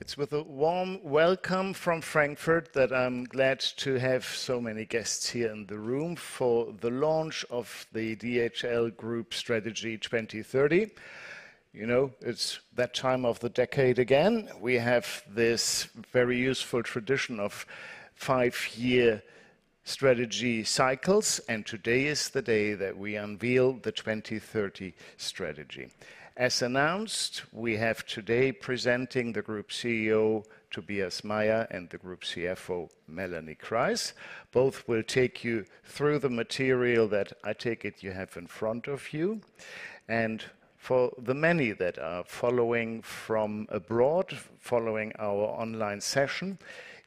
It's with a warm welcome from Frankfurt that I'm glad to have so many guests here in the room for the launch of the DHL Group Strategy 2030. You know, it's that time of the decade again. We have this very useful tradition of five-year strategy cycles, and today is the day that we unveil the 2030 strategy. As announced, we have today presenting the Group CEO, Tobias Meyer, and the Group CFO, Melanie Kreis. Both will take you through the material that I take it you have in front of you. And for the many that are following from abroad, following our online session,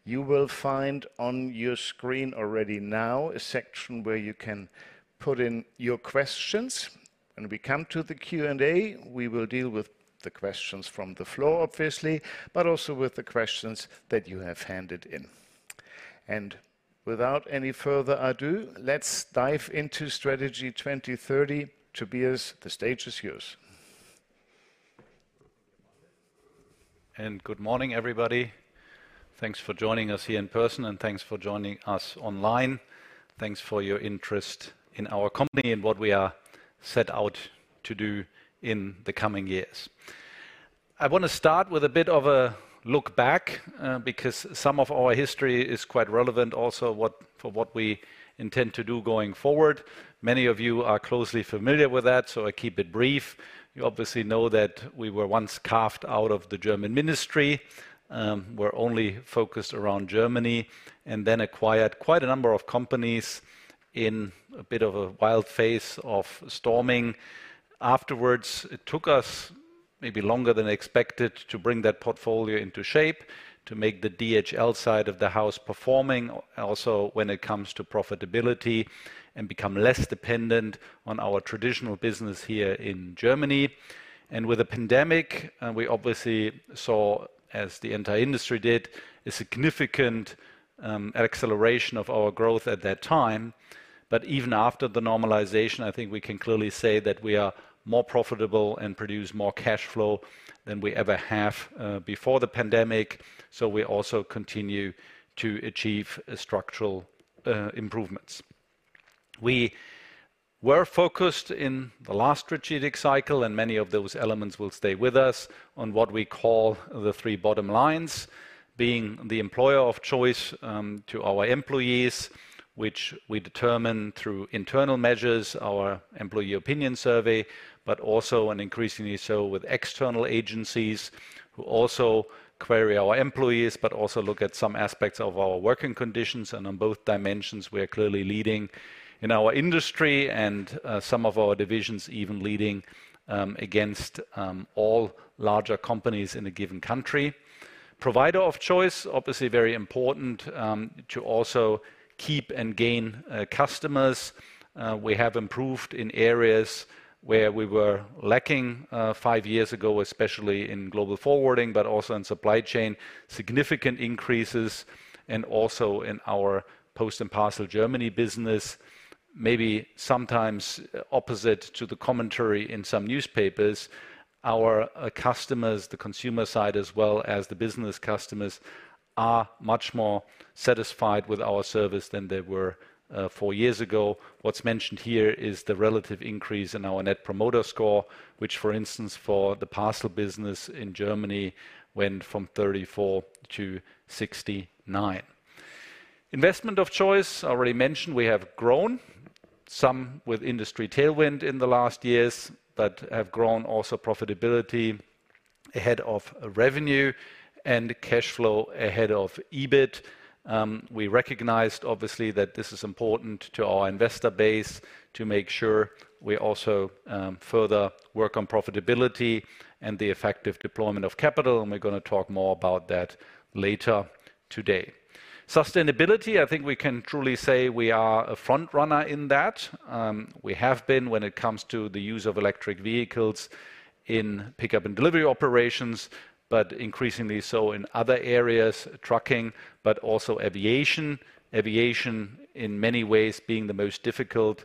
you will find on your screen already now a section where you can put in your questions. When we come to the Q&A, we will deal with the questions from the floor, obviously, but also with the questions that you have handed in. Without any further ado, let's dive into Strategy 2030. Tobias, the stage is yours. Good morning, everybody. Thanks for joining us here in person, and thanks for joining us online. Thanks for your interest in our company and what we are set out to do in the coming years. I want to start with a bit of a look back, because some of our history is quite relevant, also, for what we intend to do going forward. Many of you are closely familiar with that, so I keep it brief. You obviously know that we were once carved out of the German ministry, we're only focused around Germany, and then acquired quite a number of companies in a bit of a wild phase of storming. Afterwards, it took us maybe longer than expected to bring that portfolio into shape, to make the DHL side of the house performing, also, when it comes to profitability, and become less dependent on our traditional business here in Germany. And with the pandemic, we obviously saw, as the entire industry did, a significant acceleration of our growth at that time. But even after the normalization, I think we can clearly say that we are more profitable and produce more cash flow than we ever have before the pandemic, so we also continue to achieve structural improvements. We were focused in the last strategic cycle, and many of those elements will stay with us on what we call the three bottom lines, being the Employer of Choice to our employees, which we determine through internal measures, our employee opinion survey, but also, and increasingly so with external agencies, who also query our employees, but also look at some aspects of our working conditions. And on both dimensions, we are clearly leading in our industry and some of our divisions even leading against all larger companies in a given country. Provider of Choice, obviously very important to also keep and gain customers. We have improved in areas where we were lacking five years ago, especially in Global Forwarding, but also in Supply Chain, significant increases, and also in our Post & Parcel Germany business. Maybe sometimes opposite to the commentary in some newspapers, our customers, the consumer side, as well as the business customers, are much more satisfied with our service than they were four years ago. What's mentioned here is the relative increase in our Net Promoter Score, which, for instance, for the parcel business in Germany, went from 34 to 69. Investment of Choice, I already mentioned, we have grown, some with industry tailwind in the last years, but have grown also profitability ahead of revenue and cash flow ahead of EBIT. We recognized, obviously, that this is important to our investor base to make sure we also further work on profitability and the effective deployment of capital, and we're going to talk more about that later today. Sustainability, I think we can truly say we are a front runner in that. We have been when it comes to the use of electric vehicles in pickup and delivery operations, but increasingly so in other areas, trucking, but also aviation. Aviation, in many ways, being the most difficult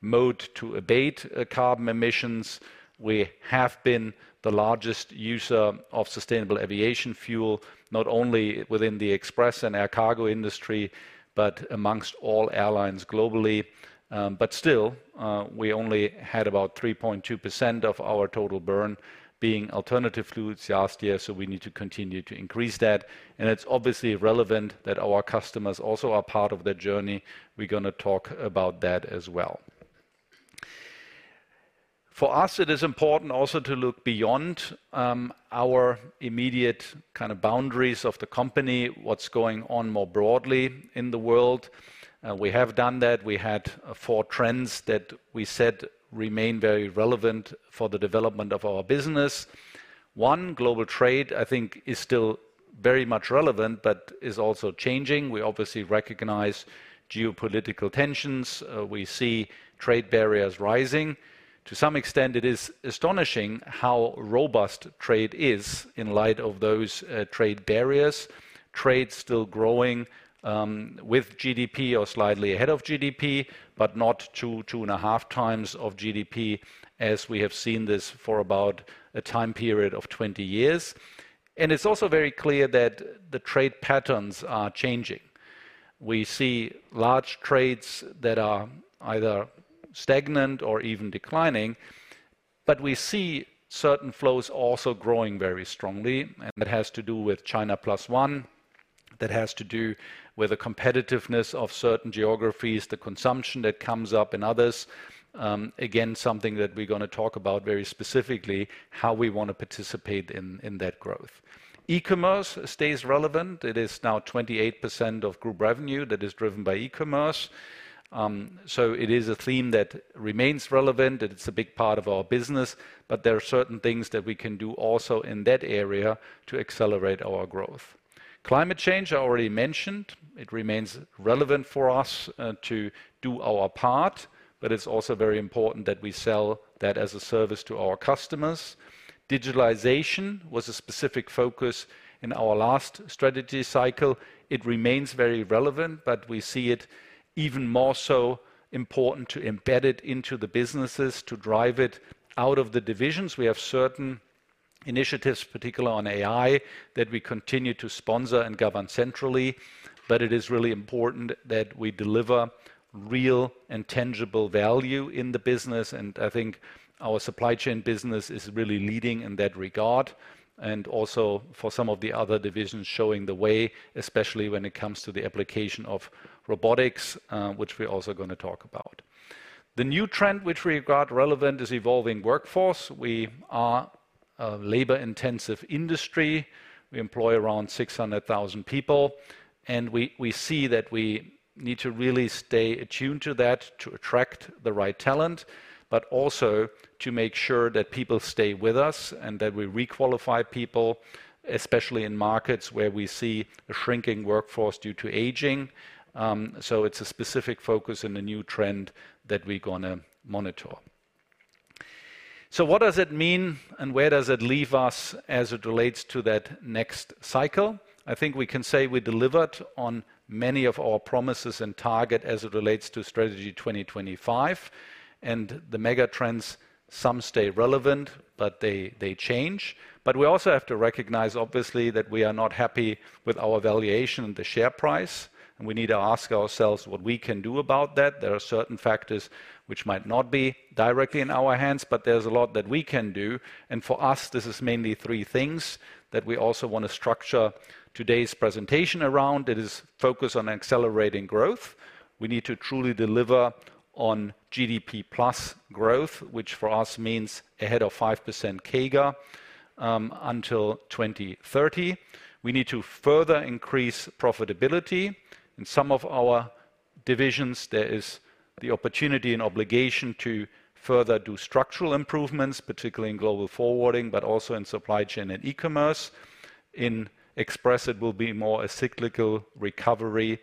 mode to abate carbon emissions. We have been the largest user of sustainable aviation fuel, not only within the Express and air cargo industry, but amongst all airlines globally, but still we only had about 3.2% of our total burn being alternative fuels last year, so we need to continue to increase that. It is obviously relevant that our customers also are part of that journey. We're going to talk about that as well. For us, it is important also to look beyond our immediate kind of boundaries of the company, what's going on more broadly in the world. We have done that. We had four trends that we said remain very relevant for the development of our business. One, global trade, I think, is still very much relevant, but is also changing. We obviously recognize geopolitical tensions. We see trade barriers rising. To some extent, it is astonishing how robust trade is in light of those trade barriers. Trade still growing with GDP or slightly ahead of GDP, but not two, two-and-a-half times of GDP, as we have seen this for about a time period of 20 years, and it's also very clear that the trade patterns are changing. We see large trades that are either stagnant or even declining, but we see certain flows also growing very strongly, and that has to do with China Plus One. That has to do with the competitiveness of certain geographies, the consumption that comes up in others. Again, something that we're gonna talk about very specifically, how we want to participate in that growth. eCommerce stays relevant. It is now 28% of group revenue that is driven by eCommerce. So it is a theme that remains relevant, and it's a big part of our business, but there are certain things that we can do also in that area to accelerate our growth. Climate change, I already mentioned. It remains relevant for us to do our part, but it's also very important that we sell that as a service to our customers. Digitalization was a specific focus in our last strategy cycle. It remains very relevant, but we see it even more so important to embed it into the businesses, to drive it out of the divisions. We have certain initiatives, particularly on AI, that we continue to sponsor and govern centrally, but it is really important that we deliver real and tangible value in the business. And I think our Supply Chain business is really leading in that regard, and also for some of the other divisions showing the way, especially when it comes to the application of robotics, which we're also gonna talk about. The new trend which we regard relevant is evolving workforce. We are a labor-intensive industry. We employ around 600,000 people, and we see that we need to really stay attuned to that to attract the right talent, but also to make sure that people stay with us and that we re-qualify people, especially in markets where we see a shrinking workforce due to aging. So it's a specific focus and a new trend that we're gonna monitor, so what does it mean, and where does it leave us as it relates to that next cycle? I think we can say we delivered on many of our promises and target as it relates to Strategy 2025, and the mega trends, some stay relevant, but they change. But we also have to recognize, obviously, that we are not happy with our valuation and the share price, and we need to ask ourselves what we can do about that. There are certain factors which might not be directly in our hands, but there's a lot that we can do, and for us, this is mainly three things that we also want to structure today's presentation around. It is focus on accelerating growth. We need to truly deliver on GDP-plus growth, which for us means ahead of 5% CAGR until 2030. We need to further increase profitability. In some of our divisions, there is the opportunity and obligation to further do structural improvements, particularly in Global Forwarding, but also in Supply Chain and eCommerce. In Express, it will be more a cyclical recovery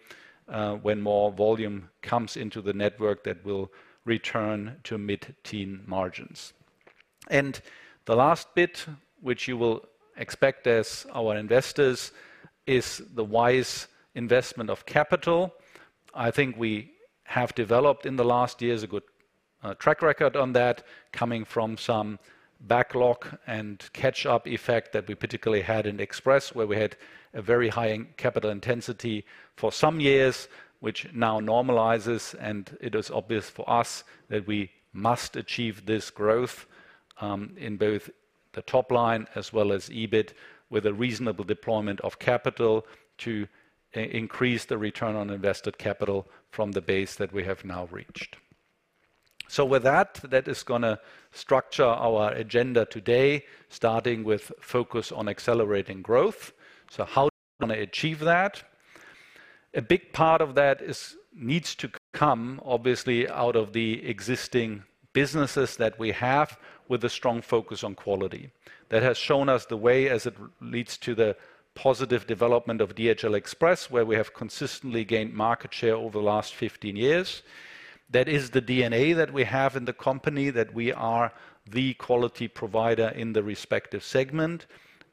when more volume comes into the network that will return to mid-teen margins. And the last bit, which you will expect as our investors, is the wise investment of capital. I think we have developed, in the last years, a good track record on that, coming from some backlog and catch-up effect that we particularly had in Express, where we had a very high capital intensity for some years, which now normalizes. It is obvious for us that we must achieve this growth in both the top line as well as EBIT, with a reasonable deployment of capital to increase the return on invested capital from the base that we have now reached. With that, that is gonna structure our agenda today, starting with focus on accelerating growth. How are we gonna achieve that? A big part of that needs to come, obviously, out of the existing businesses that we have, with a strong focus on quality. That has shown us the way as it leads to the positive development of DHL Express, where we have consistently gained market share over the last fifteen years. That is the DNA that we have in the company, that we are the quality provider in the respective segment,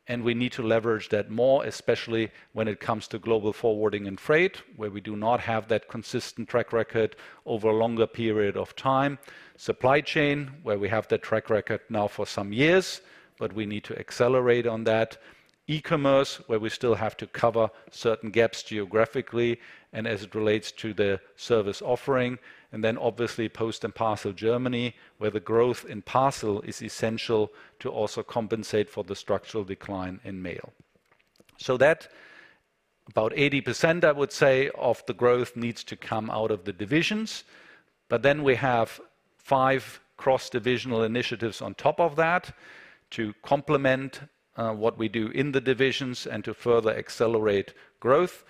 and we need to leverage that more, especially when it comes to Global Forwarding and freight, where we do not have that consistent track record over a longer period of time. Supply Chain, where we have that track record now for some years, but we need to accelerate on that. eCommerce, where we still have to cover certain gaps geographically and as it relates to the service offering, and then obviously, Post & Parcel Germany, where the growth in parcel is essential to also compensate for the structural decline in mail. So that about 80% of the growth needs to come out of the divisions, but then we have five cross-divisional initiatives on top of that to complement what we do in the divisions and to further accelerate growth.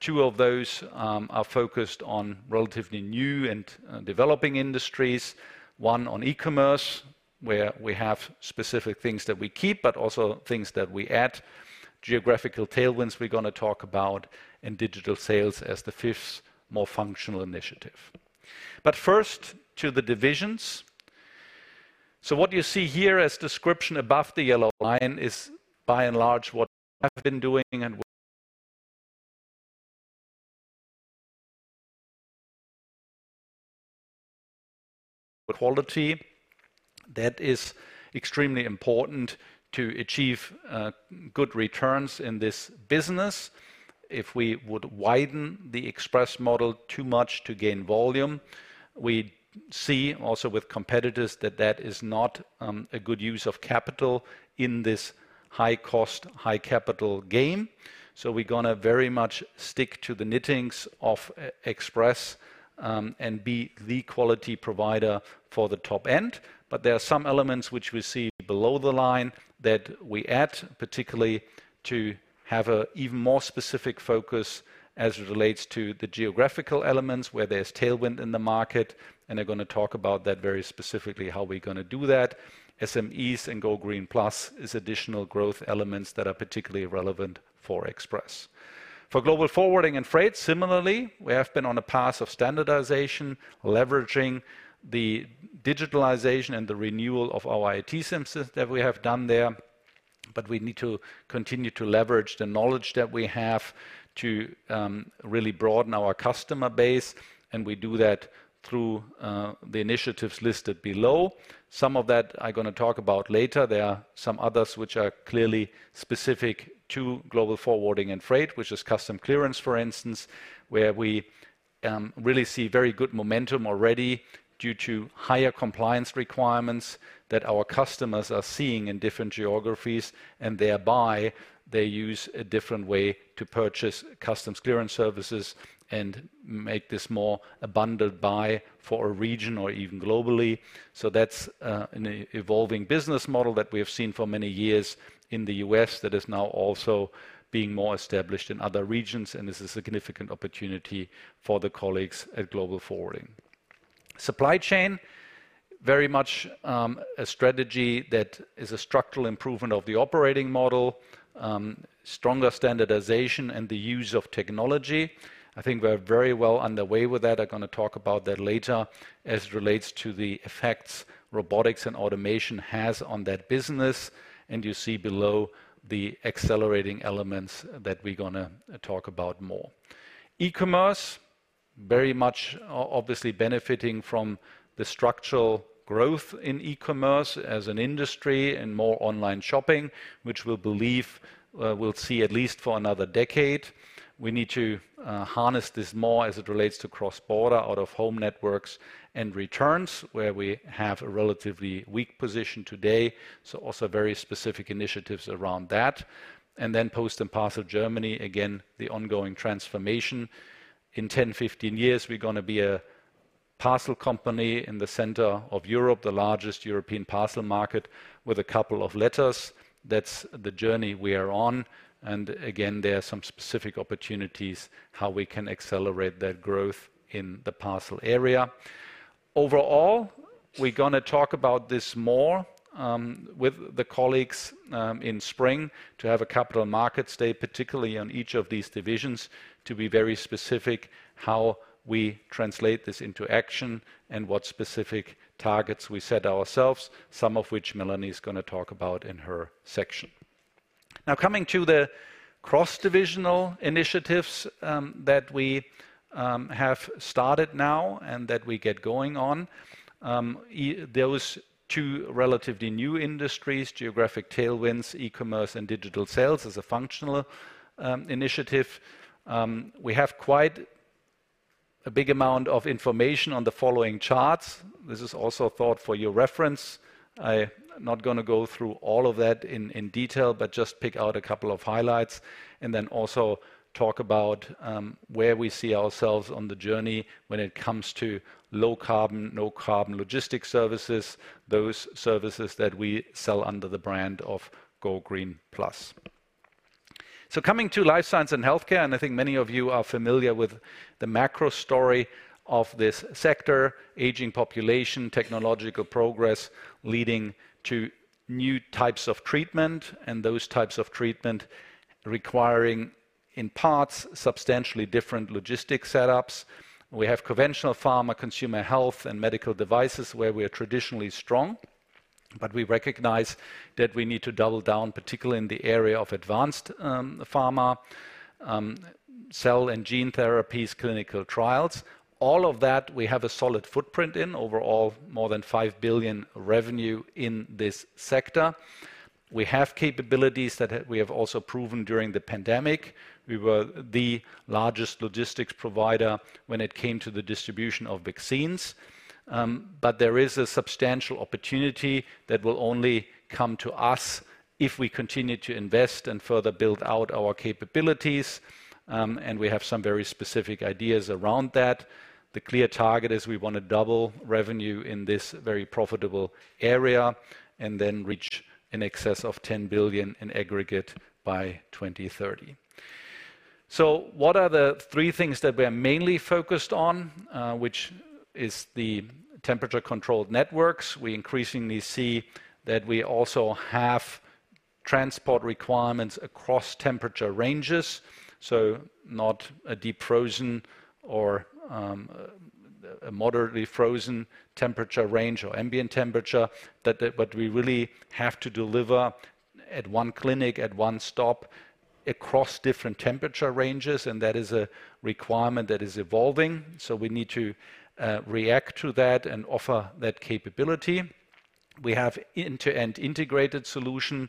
Two of those are focused on relatively new and developing industries. One on eCommerce, where we have specific things that we keep, but also things that we add. Geographical tailwinds, we're gonna talk about in digital sales as the fifth, more functional initiative. But first, to the divisions. So what you see here as description above the yellow line is, by and large, what we have been doing and quality. That is extremely important to achieve good returns in this business. If we would widen the Express model too much to gain volume, we see also with competitors that that is not a good use of capital in this high-cost, high-capital game. So we're gonna very much stick to the knittings of Express, and be the quality provider for the top end. But there are some elements which we see below the line that we add, particularly to have a even more specific focus as it relates to the geographical elements, where there's tailwind in the market, and I'm gonna talk about that very specifically, how we're gonna do that. SMEs and GoGreen Plus is additional growth elements that are particularly relevant for Express. For Global Forwarding and Freight, similarly, we have been on a path of standardization, leveraging the digitalization and the renewal of our IT systems that we have done there. But we need to continue to leverage the knowledge that we have to really broaden our customer base, and we do that through the initiatives listed below. Some of that I'm gonna talk about later. There are some others which are clearly specific to Global Forwarding and Freight, which is customs clearance, for instance, where we really see very good momentum already due to higher compliance requirements that our customers are seeing in different geographies, and thereby they use a different way to purchase customs clearance services and make this more a bundled buy for a region or even globally. So that's an evolving business model that we have seen for many years in the U.S. that is now also being more established in other regions, and this is a significant opportunity for the colleagues at Global Forwarding. Supply Chain, very much, a strategy that is a structural improvement of the operating model, stronger standardization and the use of technology. I think we're very well underway with that. I'm gonna talk about that later as it relates to the effects robotics and automation has on that business, and you see below the accelerating elements that we're gonna talk about more. eCommerce, very much obviously benefiting from the structural growth in eCommerce as an industry and more online shopping, which we believe, we'll see at least for another decade. We need to, harness this more as it relates to cross-border, out-of-home networks and returns, where we have a relatively weak position today, so also very specific initiatives around that. And then Post & Parcel Germany, again, the ongoing transformation. In ten, fifteen years, we're gonna be a parcel company in the center of Europe, the largest European parcel market, with a couple of letters. That's the journey we are on, and again, there are some specific opportunities how we can accelerate that growth in the parcel area. Overall, we're gonna talk about this more, with the colleagues, in spring to have a Capital Markets Day, particularly on each of these divisions, to be very specific, how we translate this into action and what specific targets we set ourselves, some of which Melanie is gonna talk about in her section. Now, coming to the cross-divisional initiatives, that we, have started now and that we get going on. Those two relatively new industries, geographic tailwinds, eCommerce, and digital sales, as a functional, initiative. We have quite a big amount of information on the following charts. This is also a thought for your reference. I'm not gonna go through all of that in detail, but just pick out a couple of highlights and then also talk about where we see ourselves on the journey when it comes to low-carbon, no-carbon logistics services, those services that we sell under the brand of GoGreen Plus. So coming to Life Sciences and Healthcare, and I think many of you are familiar with the macro story of this sector: aging population, technological progress leading to new types of treatment, and those types of treatment requiring, in parts, substantially different logistics setups. We have conventional pharma, consumer health, and medical devices, where we are traditionally strong, but we recognize that we need to double down, particularly in the area of advanced pharma, cell and gene therapies, clinical trials. All of that, we have a solid footprint in. Overall, more than 5 billion revenue in this sector. We have capabilities that we have also proven during the pandemic. We were the largest logistics provider when it came to the distribution of vaccines. But there is a substantial opportunity that will only come to us if we continue to invest and further build out our capabilities, and we have some very specific ideas around that. The clear target is we want to double revenue in this very profitable area and then reach in excess of 10 billion in aggregate by 2030. So what are the three things that we are mainly focused on? Which is the temperature-controlled networks. We increasingly see that we also have transport requirements across temperature ranges, so not a deep-frozen or, a moderately frozen temperature range or ambient temperature, but we really have to deliver at one clinic, at one stop across different temperature ranges, and that is a requirement that is evolving, so we need to react to that and offer that capability. We have end-to-end integrated solution,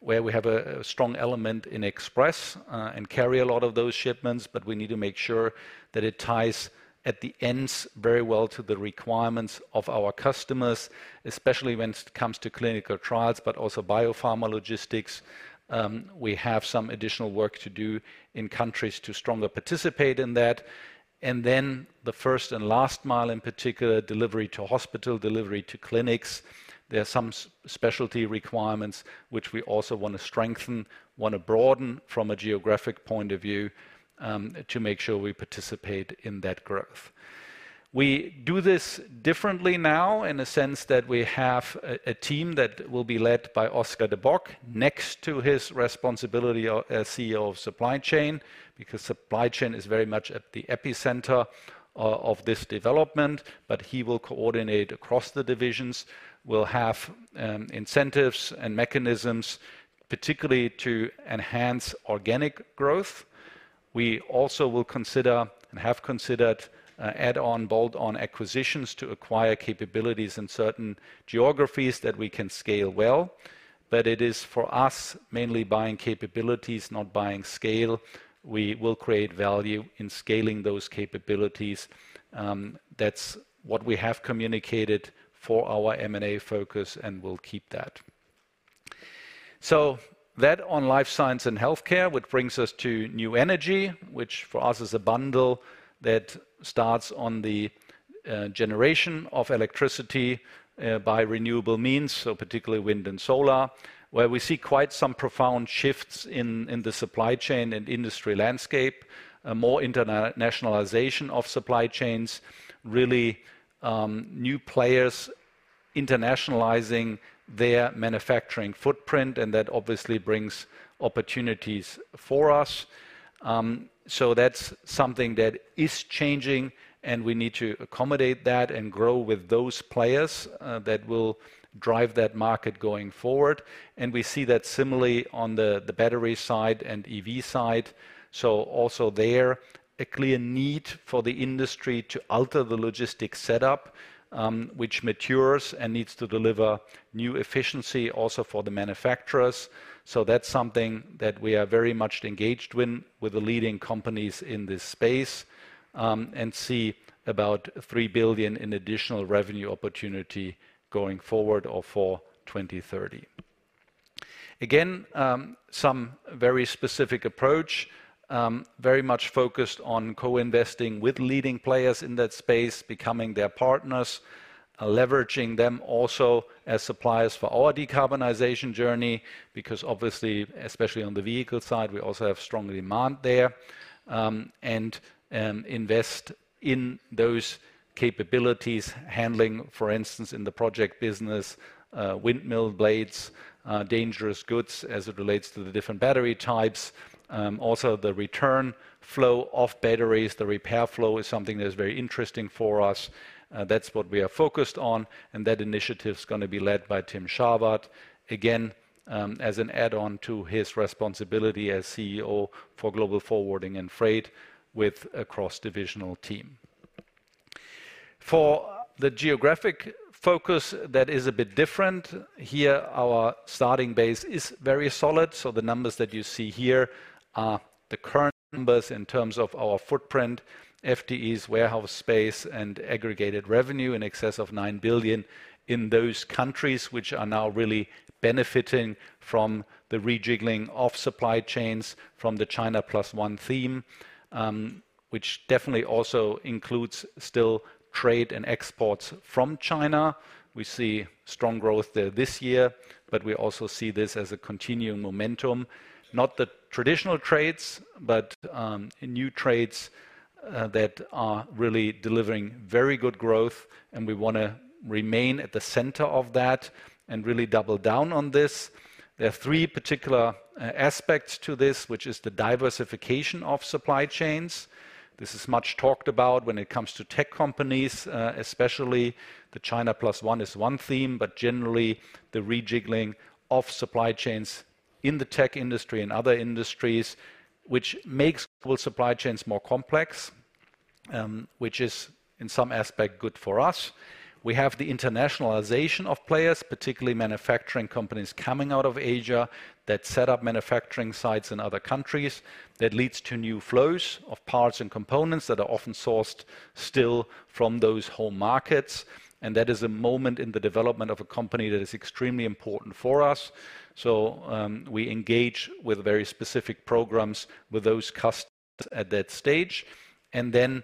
where we have a strong element in Express, and carry a lot of those shipments, but we need to make sure that it ties at the ends very well to the requirements of our customers, especially when it comes to clinical trials, but also biopharma logistics. We have some additional work to do in countries to stronger participate in that. And then the first and last mile, in particular, delivery to hospital, delivery to clinics, there are some specialty requirements which we also want to strengthen, want to broaden from a geographic point of view, to make sure we participate in that growth. We do this differently now in the sense that we have a team that will be led by Oscar de Bok, next to his responsibility as CEO of Supply Chain, because Supply Chain is very much at the epicenter of this development. But he will coordinate across the divisions. We'll have incentives and mechanisms, particularly to enhance organic growth. We also will consider and have considered add-on, bolt-on acquisitions to acquire capabilities in certain geographies that we can scale well. But it is for us, mainly buying capabilities, not buying scale. We will create value in scaling those capabilities. That's what we have communicated for our M&A focus, and we'll keep that. So that on Life Science and Healthcare, which brings us to New Energy, which for us is a bundle that starts on the generation of electricity by renewable means, so particularly wind and solar, where we see quite some profound shifts in the Supply Chain and industry landscape. A more internationalization of supply chains, really, new players internationalizing their manufacturing footprint, and that obviously brings opportunities for us. So that's something that is changing, and we need to accommodate that and grow with those players that will drive that market going forward, and we see that similarly on the battery side and EV side. So also there, a clear need for the industry to alter the logistics setup, which matures and needs to deliver new efficiency also for the manufacturers. That's something that we are very much engaged in with the leading companies in this space, and see about 3 billion in additional revenue opportunity going forward or for 2030. Again, some very specific approach, very much focused on co-investing with leading players in that space, becoming their partners, leveraging them also as suppliers for our decarbonization journey, because obviously, especially on the vehicle side, we also have strong demand there. And invest in those capabilities, handling, for instance, in the project business, windmill blades, dangerous goods as it relates to the different battery types. Also, the return flow of batteries, the repair flow is something that is very interesting for us. That's what we are focused on, and that initiative is gonna be led by Tim Scharwath, again, as an add-on to his responsibility as CEO for Global Forwarding and Freight with a cross-divisional team. For the geographic focus, that is a bit different. Here, our starting base is very solid, so the numbers that you see here are the current numbers in terms of our footprint, FTEs, warehouse space, and aggregated revenue in excess of 9 billion in those countries, which are now really benefiting from the rejigging of supply chains from the China Plus One theme, which definitely also includes still trade and exports from China. We see strong growth there this year, but we also see this as a continuing momentum. Not the traditional trades, but new trades that are really delivering very good growth, and we wanna remain at the center of that and really double down on this. There are three particular aspects to this, which is the diversification of supply chains. This is much talked about when it comes to tech companies, especially the China Plus One is one theme, but generally, the rejigging of supply chains in the tech industry and other industries, which makes global supply chains more complex, which is, in some aspect, good for us. We have the internationalization of players, particularly manufacturing companies coming out of Asia, that set up manufacturing sites in other countries. That leads to new flows of parts and components that are often sourced still from those home markets, and that is a moment in the development of a company that is extremely important for us. So, we engage with very specific programs with those customers at that stage. And then,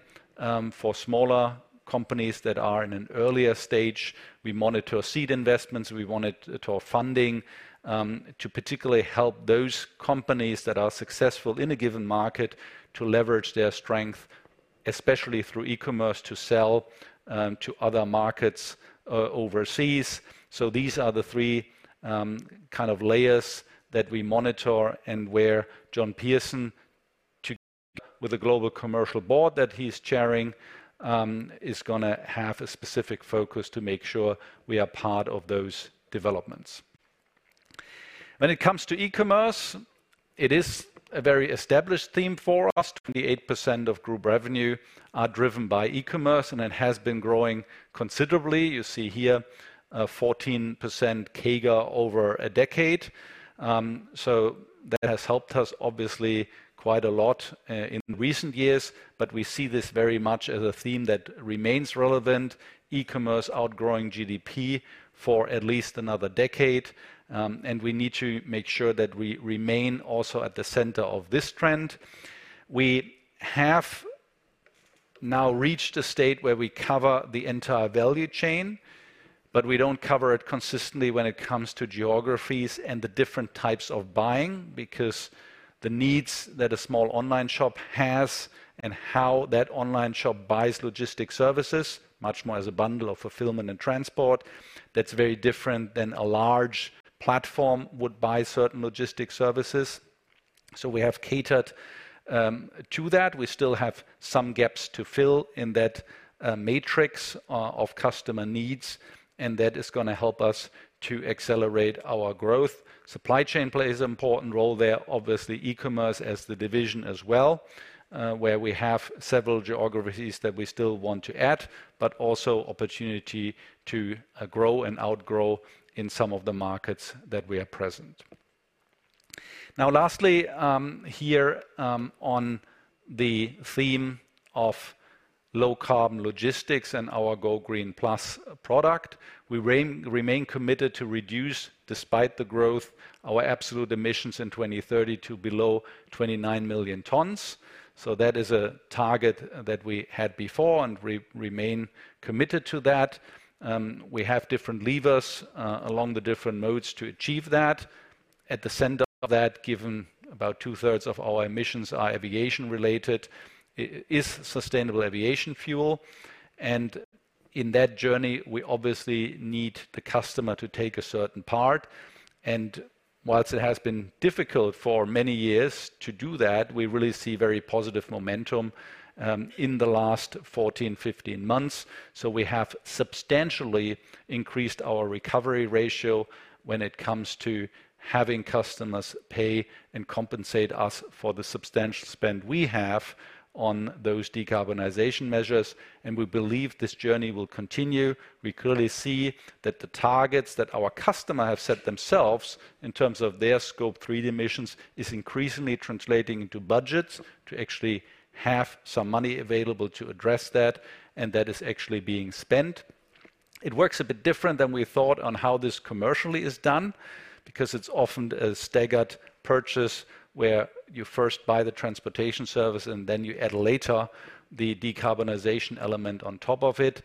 for smaller companies that are in an earlier stage, we monitor seed investments, we monitor funding, to particularly help those companies that are successful in a given market to leverage their strength, especially through eCommerce, to sell, to other markets, overseas. So these are the three, kind of layers that we monitor and where John Pearson together with the Global Commercial Board that he's chairing, is gonna have a specific focus to make sure we are part of those developments. When it comes to eCommerce, it is a very established theme for us. 28% of group revenue are driven by eCommerce, and it has been growing considerably. You see here, 14% CAGR over a decade. So that has helped us obviously quite a lot, in recent years, but we see this very much as a theme that remains relevant, eCommerce outgrowing GDP for at least another decade. And we need to make sure that we remain also at the center of this trend. We have now reached a state where we cover the entire value chain, but we don't cover it consistently when it comes to geographies and the different types of buying, because the needs that a small online shop has and how that online shop buys logistics services, much more as a bundle of fulfilment and transport, that's very different than a large platform would buy certain logistics services. So we have catered to that. We still have some gaps to fill in that matrix of customer needs, and that is gonna help us to accelerate our growth. Supply Chain plays an important role there. Obviously, eCommerce as the division as well, where we have several geographies that we still want to add, but also opportunity to grow and outgrow in some of the markets that we are present. Now, lastly, here, on the theme of low-carbon logistics and our GoGreen Plus product, we remain committed to reduce, despite the growth, our absolute emissions in 2030 to below 29 million tons. So that is a target that we had before, and remain committed to that. We have different levers along the different modes to achieve that. At the center of that, given about two-thirds of our emissions are aviation-related, is sustainable aviation fuel. And in that journey, we obviously need the customer to take a certain part. And while it has been difficult for many years to do that, we really see very positive momentum in the last fourteen, fifteen months. So we have substantially increased our recovery ratio when it comes to having customers pay and compensate us for the substantial spend we have on those decarbonization measures, and we believe this journey will continue. We clearly see that the targets that our customer have set themselves in terms of their Scope 3 emissions is increasingly translating into budgets to actually have some money available to address that, and that is actually being spent. It works a bit different than we thought on how this commercially is done because it's often a staggered purchase, where you first buy the transportation service, and then you add later the decarbonization element on top of it.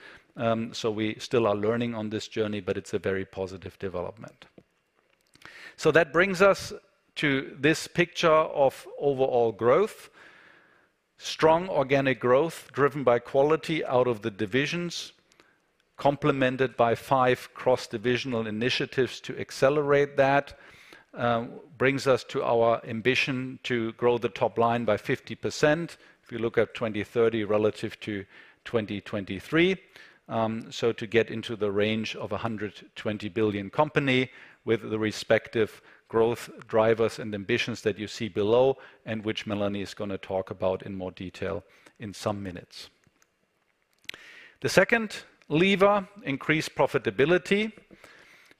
So we still are learning on this journey, but it's a very positive development. So that brings us to this picture of overall growth. Strong organic growth, driven by quality out of the divisions, complemented by five cross-divisional initiatives to accelerate that. Brings us to our ambition to grow the top line by 50%, if you look at 2030 relative to 2023. So to get into the range of a 120 billion company, with the respective growth drivers and ambitions that you see below, and which Melanie is gonna talk about in more detail in some minutes. The second lever, increase profitability.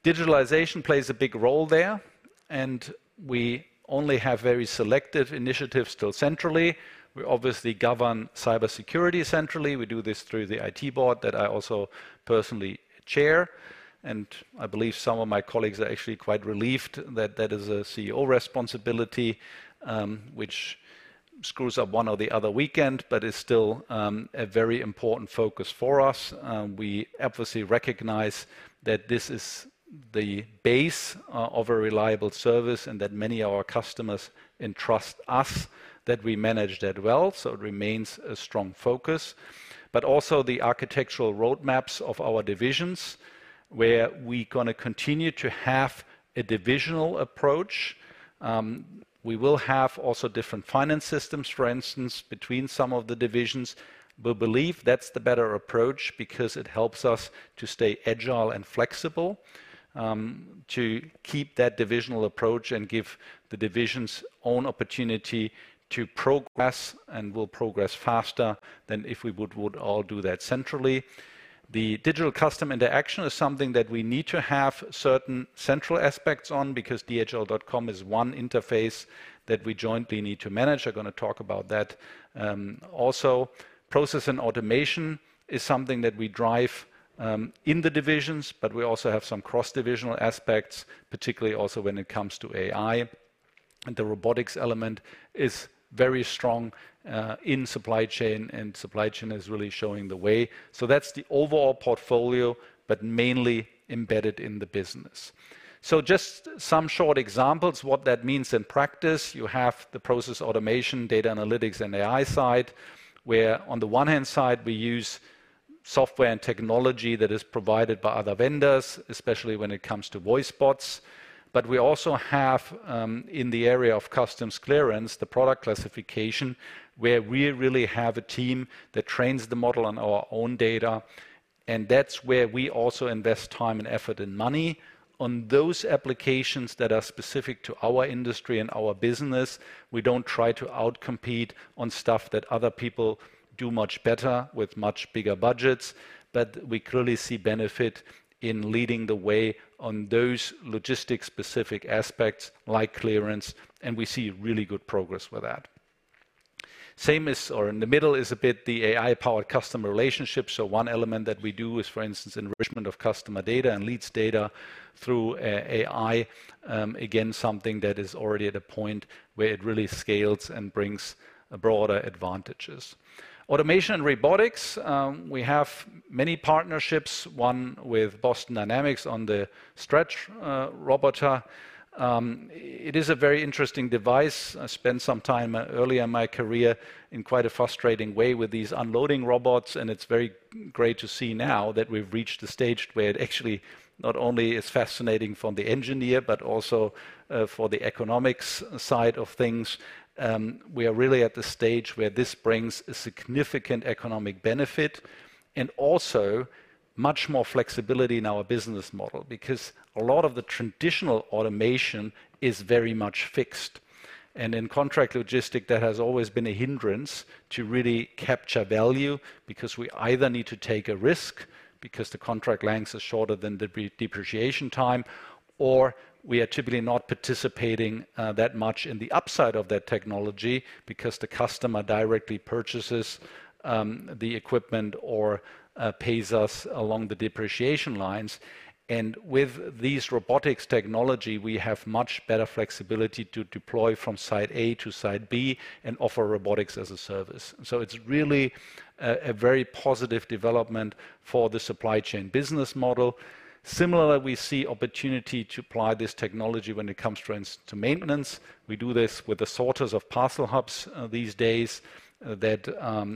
Digitalization plays a big role there, and we only have very selective initiatives still centrally. We obviously govern cybersecurity centrally. We do this through the IT Board that I also personally chair, and I believe some of my colleagues are actually quite relieved that that is a CEO responsibility, which screws up one or the other weekend, but is still a very important focus for us. We obviously recognize that this is the base of a reliable service and that many of our customers entrust us, that we manage that well, so it remains a strong focus. But also the architectural roadmaps of our divisions, where we're gonna continue to have a divisional approach. We will have also different finance systems, for instance, between some of the divisions. We believe that's the better approach because it helps us to stay agile and flexible, to keep that divisional approach and give the divisions own opportunity to progress, and we'll progress faster than if we would all do that centrally. The digital customer interaction is something that we need to have certain central aspects on, because dhl.com is one interface that we jointly need to manage. We're gonna talk about that. Also, process and automation is something that we drive in the divisions, but we also have some cross-divisional aspects, particularly also when it comes to AI. And the robotics element is very strong in Supply Chain, and Supply Chain is really showing the way. So that's the overall portfolio, but mainly embedded in the business. So just some short examples, what that means in practice. You have the process automation, data analytics, and AI side, where on the one hand, we use software and technology that is provided by other vendors, especially when it comes to voice bots. But we also have, in the area of customs clearance, the product classification, where we really have a team that trains the model on our own data, and that's where we also invest time, and effort, and money. On those applications that are specific to our industry and our business, we don't try to out-compete on stuff that other people do much better with much bigger budgets. But we clearly see benefit in leading the way on those logistics-specific aspects, like clearance, and we see really good progress with that. Same as, or in the middle is a bit the AI-powered customer relationship. So one element that we do is, for instance, enrichment of customer data and leads data through AI. Again, something that is already at a point where it really scales and brings broader advantages. Automation and robotics, we have many partnerships, one with Boston Dynamics on the Stretch robot. It is a very interesting device. I spent some time early in my career in quite a frustrating way with these unloading robots, and it's very great to see now that we've reached the stage where it actually not only is fascinating from the engineer, but also for the economics side of things. We are really at the stage where this brings a significant economic benefit, and also much more flexibility in our business model, because a lot of the traditional automation is very much fixed. In contract logistics, that has always been a hindrance to really capture value, because we either need to take a risk, because the contract lengths are shorter than the depreciation time, or we are typically not participating that much in the upside of that technology, because the customer directly purchases the equipment or pays us along the depreciation lines. And with these robotics technology, we have much better flexibility to deploy from site A to site B and offer Robotics as a Service. So it's really a very positive development for the Supply Chain business model. Similarly, we see opportunity to apply this technology when it comes to installation to maintenance. We do this with the sorters of parcel hubs these days that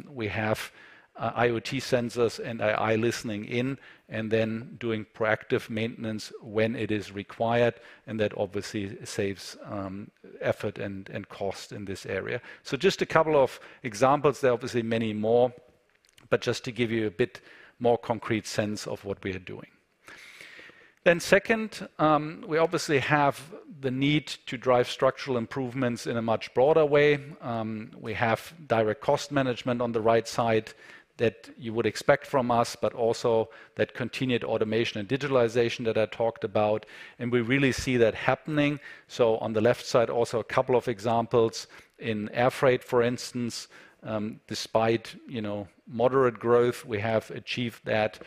we have IoT sensors and AI listening in, and then doing proactive maintenance when it is required, and that obviously saves effort and cost in this area. So just a couple of examples. There are obviously many more, but just to give you a bit more concrete sense of what we are doing. Then second, we obviously have the need to drive structural improvements in a much broader way. We have direct cost management on the right side that you would expect from us, but also that continued automation and digitalization that I talked about, and we really see that happening. So on the left side, also a couple of examples. In air freight, for instance, despite, you know, moderate growth, we have achieved that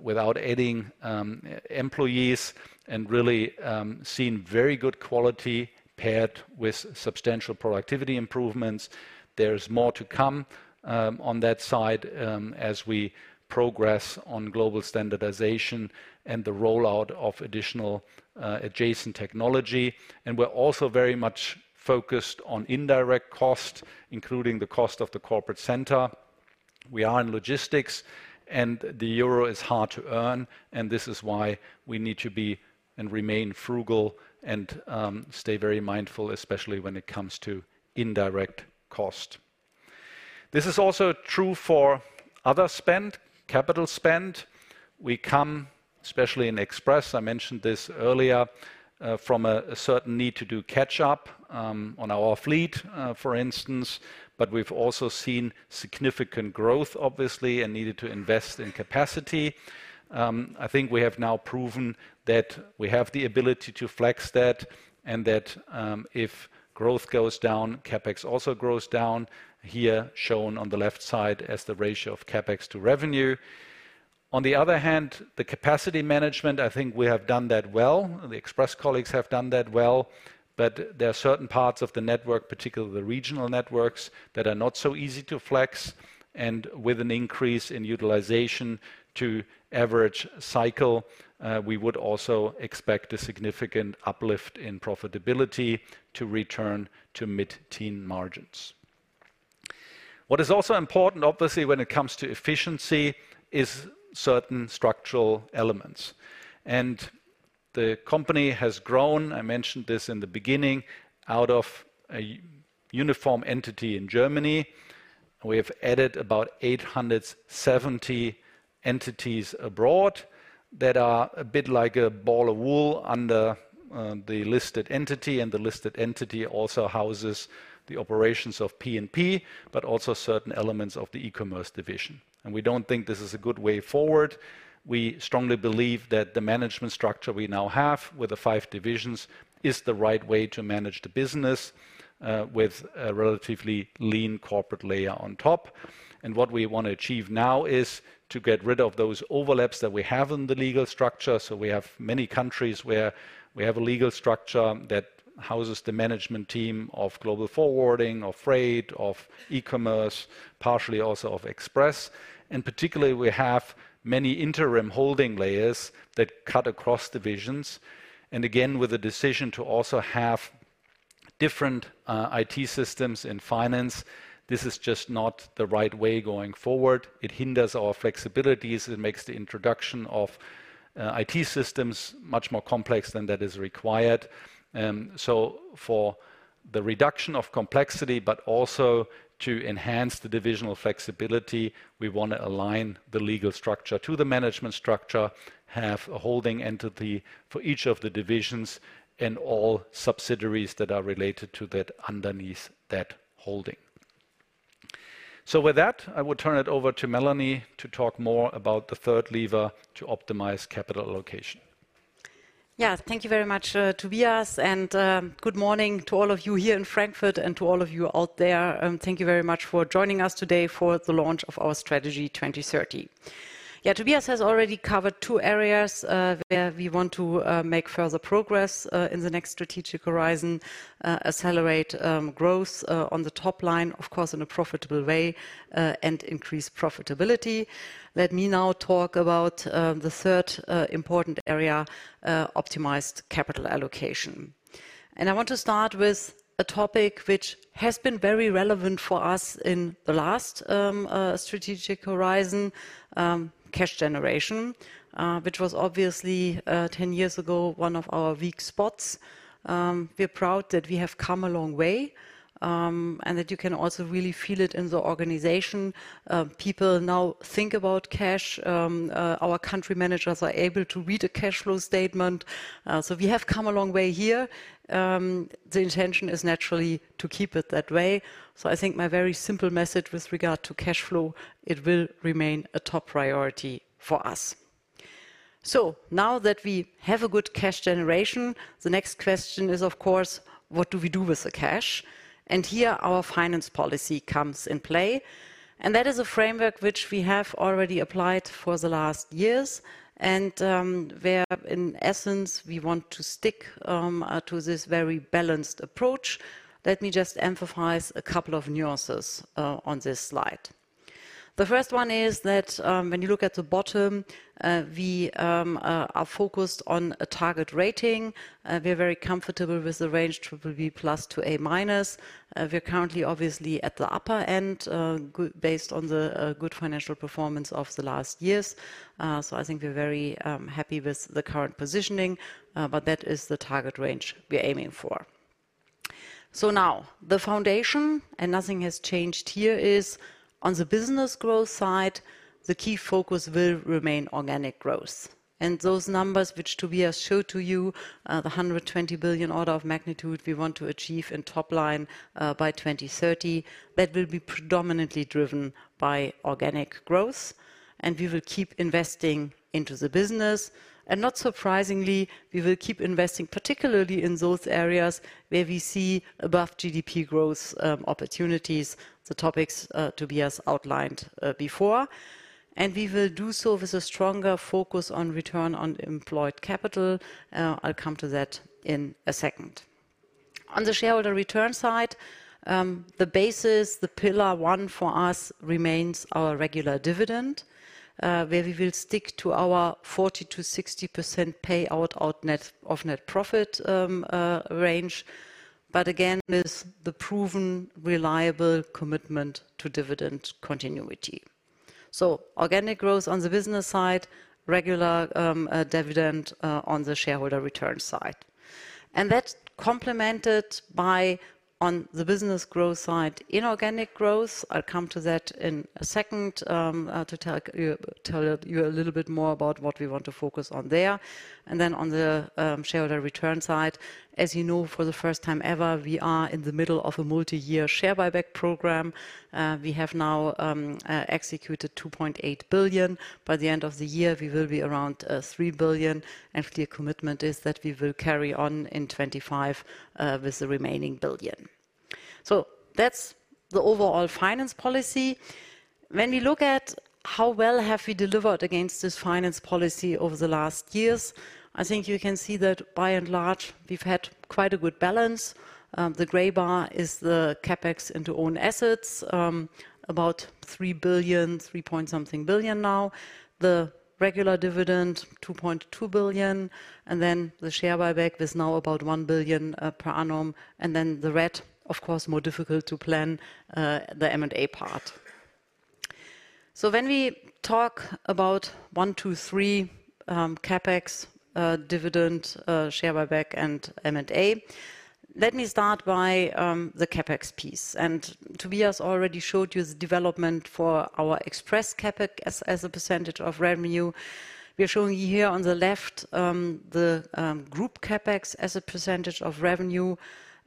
without adding employees and really seen very good quality paired with substantial productivity improvements. There's more to come on that side as we progress on global standardization and the rollout of additional adjacent technology, and we're also very much focused on indirect cost, including the cost of the corporate center. We are in logistics, and the euro is hard to earn, and this is why we need to be and remain frugal and stay very mindful, especially when it comes to indirect cost. This is also true for other spend, capital spend. We come, especially in Express, I mentioned this earlier, from a certain need to do catch-up on our fleet, for instance, but we've also seen significant growth, obviously, and needed to invest in capacity. I think we have now proven that we have the ability to flex that and that, if growth goes down, CapEx also goes down, here shown on the left side as the ratio of CapEx-to-revenue. On the other hand, the capacity management, I think we have done that well. The Express colleagues have done that well, but there are certain parts of the network, particularly the regional networks, that are not so easy to flex, and with an increase in utilization to average cycle, we would also expect a significant uplift in profitability to return to mid-teen margins. What is also important, obviously, when it comes to efficiency, is certain structural elements. And the company has grown, I mentioned this in the beginning, out of a uniform entity in Germany. We have added about 870 entities abroad that are a bit like a ball of wool under the listed entity, and the listed entity also houses the operations of P&P, but also certain elements of the eCommerce division. And we don't think this is a good way forward. We strongly believe that the management structure we now have, with the five divisions, is the right way to manage the business with a relatively lean corporate layer on top. And what we want to achieve now is to get rid of those overlaps that we have in the legal structure. So we have many countries where we have a legal structure that houses the management team of Global Forwarding, of freight, of eCommerce, partially also of Express. And particularly, we have many interim holding layers that cut across divisions. And again, with the decision to also have different IT systems in finance, this is just not the right way going forward. It hinders our flexibilities. It makes the introduction of IT systems much more complex than that is required. So for the reduction of complexity, but also to enhance the divisional flexibility, we want to align the legal structure to the management structure, have a holding entity for each of the divisions and all subsidiaries that are related to that underneath that holding. So with that, I will turn it over to Melanie to talk more about the third lever to optimize capital allocation. Yeah. Thank you very much, Tobias, and good morning to all of you here in Frankfurt and to all of you out there. Thank you very much for joining us today for the launch of our Strategy 2030. Yeah, Tobias has already covered two areas where we want to make further progress in the next strategic horizon. Accelerate growth on the top line, of course, in a profitable way, and increase profitability. Let me now talk about the third important area, optimized capital allocation. I want to start with a topic which has been very relevant for us in the last strategic horizon: cash generation, which was obviously ten years ago, one of our weak spots. We're proud that we have come a long way, and that you can also really feel it in the organization. People now think about cash. Our country managers are able to read a cash flow statement. So we have come a long way here. The intention is naturally to keep it that way. So I think my very simple message with regard to cash flow, it will remain a top priority for us. So now that we have a good cash generation, the next question is, of course, what do we do with the cash? And here, our finance policy comes in play, and that is a framework which we have already applied for the last years and where in essence, we want to stick to this very balanced approach. Let me just emphasize a couple of nuances on this slide. The first one is that, when you look at the bottom, we are focused on a target rating. We're very comfortable with the range BBB+ to A-. We're currently obviously at the upper end based on the good financial performance of the last years. So I think we're very happy with the current positioning, but that is the target range we're aiming for. So now, the foundation, and nothing has changed here, is on the business growth side, the key focus will remain organic growth. And those numbers, which Tobias showed to you, the 120 billion order of magnitude we want to achieve in top line, by 2030, that will be predominantly driven by organic growth, and we will keep investing into the business. And not surprisingly, we will keep investing, particularly in those areas where we see above GDP growth opportunities, the topics Tobias outlined before. And we will do so with a stronger focus on return on employed capital. I'll come to that in a second. On the shareholder return side, the basis, the pillar one for us remains our regular dividend, where we will stick to our 40%-60% payout of net profit range. But again, with the proven, reliable commitment to dividend continuity. So organic growth on the business side, regular dividend on the shareholder return side. And that's complemented by, on the business growth side, inorganic growth. I'll come to that in a second to tell you a little bit more about what we want to focus on there. And then on the shareholder return side, as you know, for the first time ever, we are in the middle of a multi-year share buyback program. We have now executed 2.8 billion. By the end of the year, we will be around 3 billion. And clear commitment is that we will carry on in 2025 with the remaining 1 billion. So that's the overall finance policy. When we look at how well have we delivered against this finance policy over the last years, I think you can see that by and large, we've had quite a good balance. The gray bar is the CapEx into own assets, about 3 billion, EUR 3-point-something billion now. The regular dividend, 2.2 billion, and then the share buyback is now about 1 billion per annum. And then the red, of course, more difficult to plan, the M&A part. So when we talk about one, two, three, CapEx, dividend, share buyback, and M&A, let me start by the CapEx piece. And Tobias already showed you the development for our Express CapEx as a percentage of revenue. We are showing you here on the left, the group CapEx as a percentage of revenue.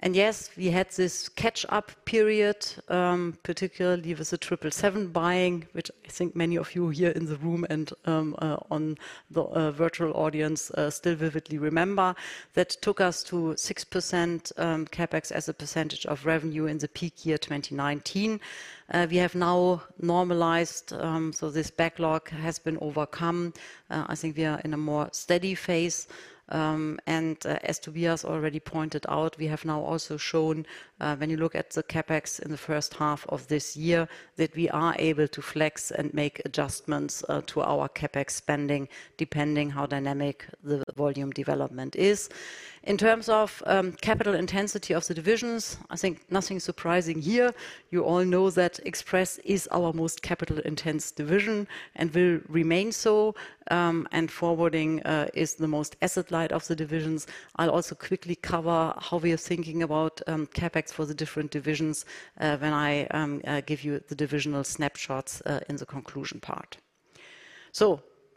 Yes, we had this catch-up period, particularly with the 777 buying, which I think many of you here in the room and on the virtual audience still vividly remember. That took us to 6% CapEx as a percentage of revenue in the peak year, 2019. We have now normalized, so this backlog has been overcome. I think we are in a more steady phase. As Tobias already pointed out, we have now also shown, when you look at the CapEx in the first half of this year, that we are able to flex and make adjustments to our CapEx spending, depending how dynamic the volume development is. In terms of capital intensity of the divisions, I think nothing surprising here. You all know that Express is our most capital-intense division and will remain so, and forwarding is the most asset-light of the divisions. I'll also quickly cover how we are thinking about CapEx for the different divisions when I give you the divisional snapshots in the conclusion part.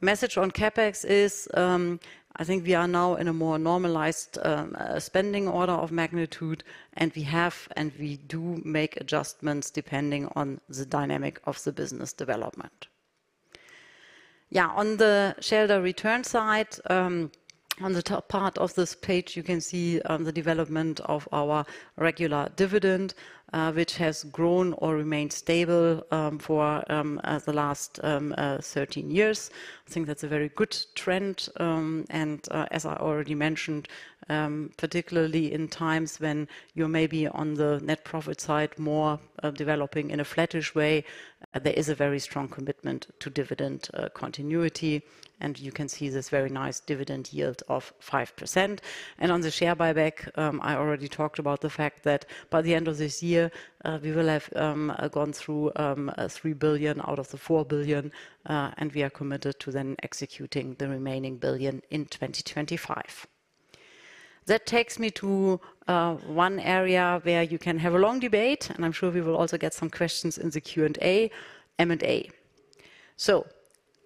So message on CapEx is, I think we are now in a more normalized spending order of magnitude, and we have, and we do make adjustments depending on the dynamic of the business development. Yeah, on the shareholder return side, on the top part of this page, you can see the development of our regular dividend, which has grown or remained stable, for the last thirteen years. I think that's a very good trend. And, as I already mentioned, particularly in times when you may be on the net profit side, more developing in a flattish way, there is a very strong commitment to dividend continuity, and you can see this very nice dividend yield of 5%. And on the share buyback, I already talked about the fact that by the end of this year, we will have gone through 3 billion out of the 4 billion, and we are committed to then executing the remaining 1 billion in 2025. That takes me to one area where you can have a long debate, and I'm sure we will also get some questions in the Q&A, M&A.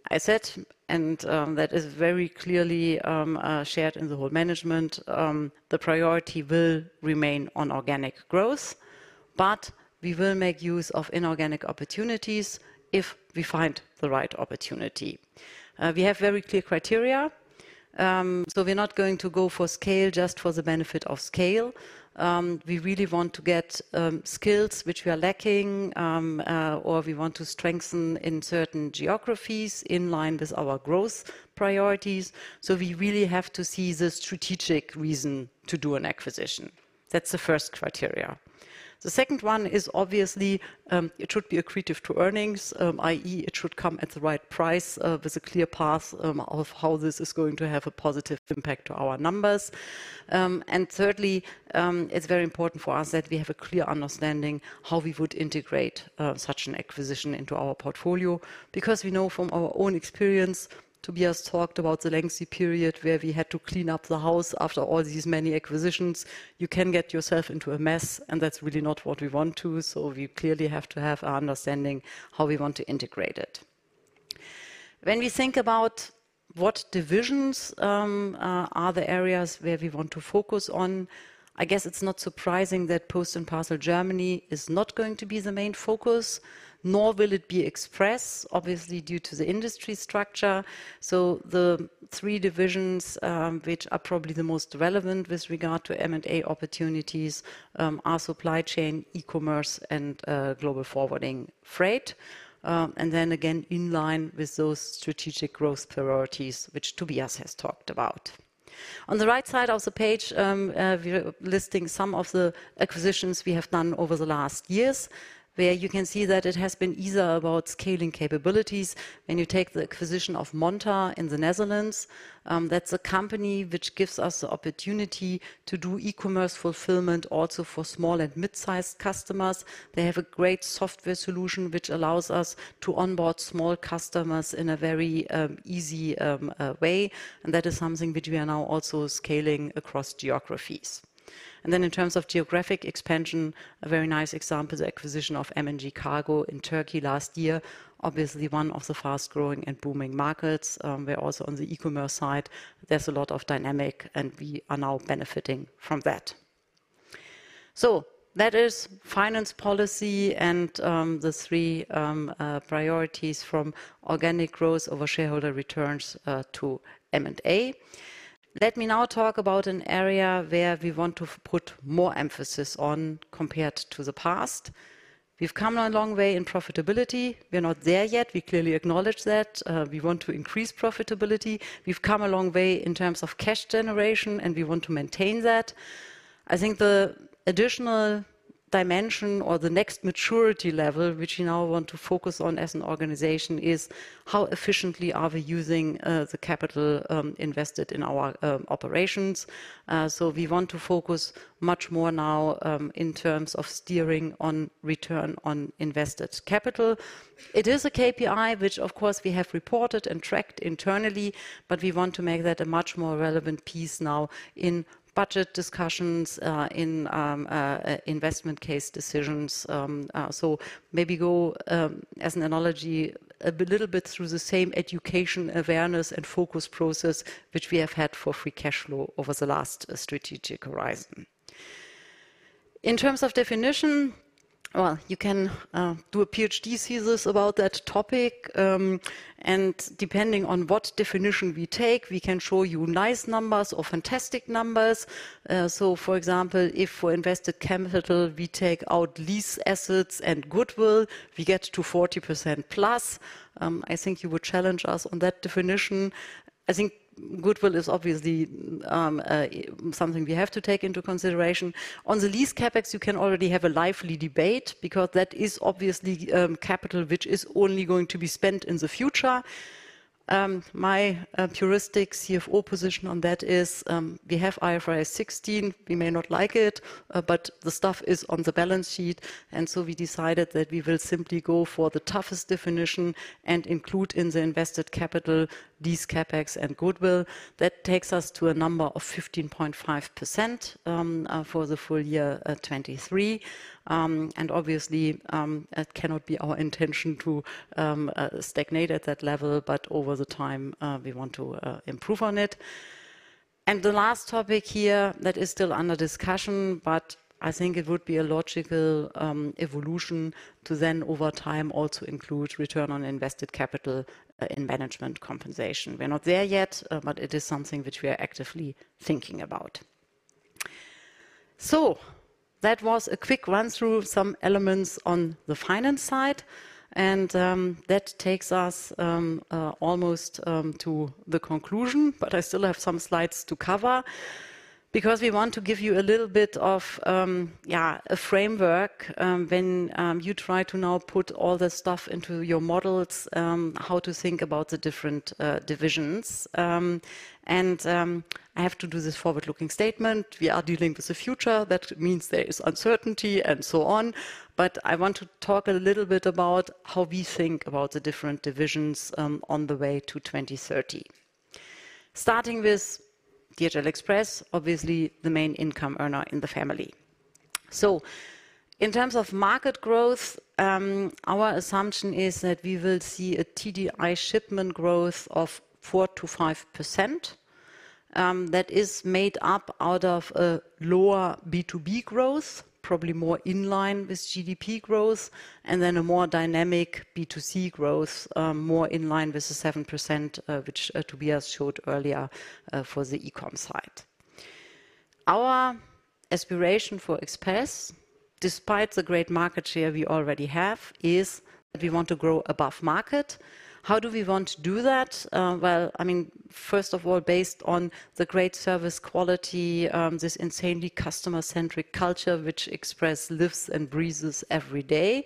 I said that is very clearly shared in the whole management, the priority will remain on organic growth, but we will make use of inorganic opportunities if we find the right opportunity. We have very clear criteria. We're not going to go for scale just for the benefit of scale. We really want to get, or we want to strengthen in certain geographies in line with our growth priorities. We really have to see the strategic reason to do an acquisition. That's the first criterion. The second one is obviously it should be accretive to earnings, i.e., it should come at the right price, with a clear path of how this is going to have a positive impact to our numbers. And thirdly, it's very important for us that we have a clear understanding how we would integrate such an acquisition into our portfolio, because we know from our own experience, Tobias talked about the lengthy period where we had to clean up the house after all these many acquisitions. You can get yourself into a mess, and that's really not what we want to. So we clearly have to have an understanding how we want to integrate it. When we think about what divisions are the areas where we want to focus on, I guess it's not surprising that Post & Parcel Germany is not going to be the main focus, nor will it be Express, obviously due to the industry structure. So the three divisions, which are probably the most relevant with regard to M&A opportunities, are Supply Chain, eCommerce, and Global Forwarding Freight. And then again, in line with those strategic growth priorities, which Tobias has talked about. On the right side of the page, we are listing some of the acquisitions we have done over the last years, where you can see that it has been either about scaling capabilities. When you take the acquisition of Monta in the Netherlands, that's a company which gives us the opportunity to do eCommerce fulfilment also for small and mid-sized customers. They have a great software solution, which allows us to onboard small customers in a very easy way, and that is something which we are now also scaling across geographies. And then in terms of geographic expansion, a very nice example is the acquisition of MNG Kargo in Turkey last year. Obviously, one of the fast-growing and booming markets. Where also on the eCommerce side, there's a lot of dynamic, and we are now benefiting from that. So that is finance policy and, the three, priorities from organic growth over shareholder returns, to M&A. Let me now talk about an area where we want to put more emphasis on compared to the past. We've come a long way in profitability. We are not there yet. We clearly acknowledge that. We want to increase profitability. We've come a long way in terms of cash generation, and we want to maintain that. I think the additional dimension or the next maturity level, which we now want to focus on as an organization, is how efficiently are we using the capital invested in our operations? So we want to focus much more now in terms of steering on return on invested capital. It is a KPI, which of course, we have reported and tracked internally, but we want to make that a much more relevant piece now in budget discussions, in investment case decisions. So maybe go, as an analogy, a little bit through the same education, awareness, and focus process, which we have had for free cash flow over the last strategic horizon. In terms of definition, well, you can do a PhD thesis about that topic, and depending on what definition we take, we can show you nice numbers or fantastic numbers. So for example, if for invested capital, we take out lease assets and goodwill, we get to 40% plus. I think you would challenge us on that definition. I think goodwill is obviously something we have to take into consideration. On the lease CapEx, you can already have a lively debate because that is obviously capital which is only going to be spent in the future. My puristic CFO position on that is, we have IFRS 16. We may not like it, but the stuff is on the balance sheet, and so we decided that we will simply go for the toughest definition and include in the invested capital these CapEx and goodwill. That takes us to a number of 15.5% for the full year 2023. And obviously that cannot be our intention to stagnate at that level, but over the time we want to improve on it. And the last topic here that is still under discussion, but I think it would be a logical evolution to then over time also include return on invested capital in management compensation. We're not there yet, but it is something which we are actively thinking about. So that was a quick run-through of some elements on the finance side, and that takes us almost to the conclusion, but I still have some slides to cover. Because we want to give you a little bit of yeah a framework when you try to now put all this stuff into your models, how to think about the different divisions. And I have to do this forward-looking statement. We are dealing with the future. That means there is uncertainty and so on. But I want to talk a little bit about how we think about the different divisions on the way to 2030. Starting with DHL Express, obviously, the main income earner in the family. In terms of market growth, our assumption is that we will see a TDI shipment growth of 4-5%, that is made up out of a lower B2B growth, probably more in line with GDP growth, and then a more dynamic B2C growth, more in line with the 7%, which Tobias showed earlier, for the eCom side. Our aspiration for Express, despite the great market share we already have, is we want to grow above market. How do we want to do that? Well, I mean, first of all, based on the great service quality, this insanely customer-centric culture, which Express lives and breathes every day,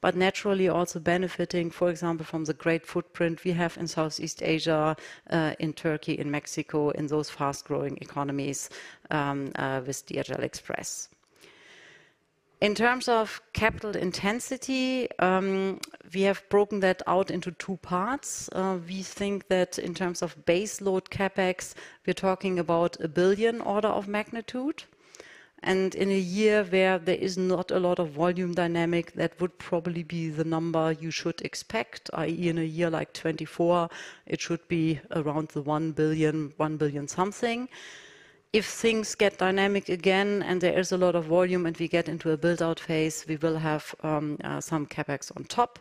but naturally also benefiting, for example, from the great footprint we have in Southeast Asia, in Turkey, in Mexico, in those fast-growing economies, with DHL Express. In terms of capital intensity, we have broken that out into two parts. We think that in terms of base load CapEx, we're talking about 1 billion order of magnitude, and in a year where there is not a lot of volume dynamic, that would probably be the number you should expect, i.e., in a year like 2024, it should be around the one billion, 1 billion something. If things get dynamic again, and there is a lot of volume, and we get into a build-out phase, we will have some CapEx on top,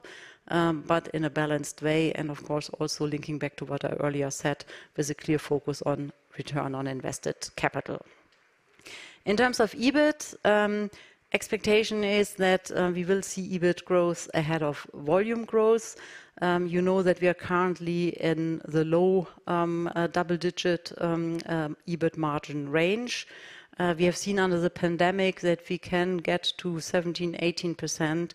but in a balanced way, and of course, also linking back to what I earlier said, with a clear focus on return on invested capital. In terms of EBIT, expectation is that we will see EBIT growth ahead of volume growth. You know that we are currently in the low, double-digit, EBIT margin range. We have seen under the pandemic that we can get to 17%-18%.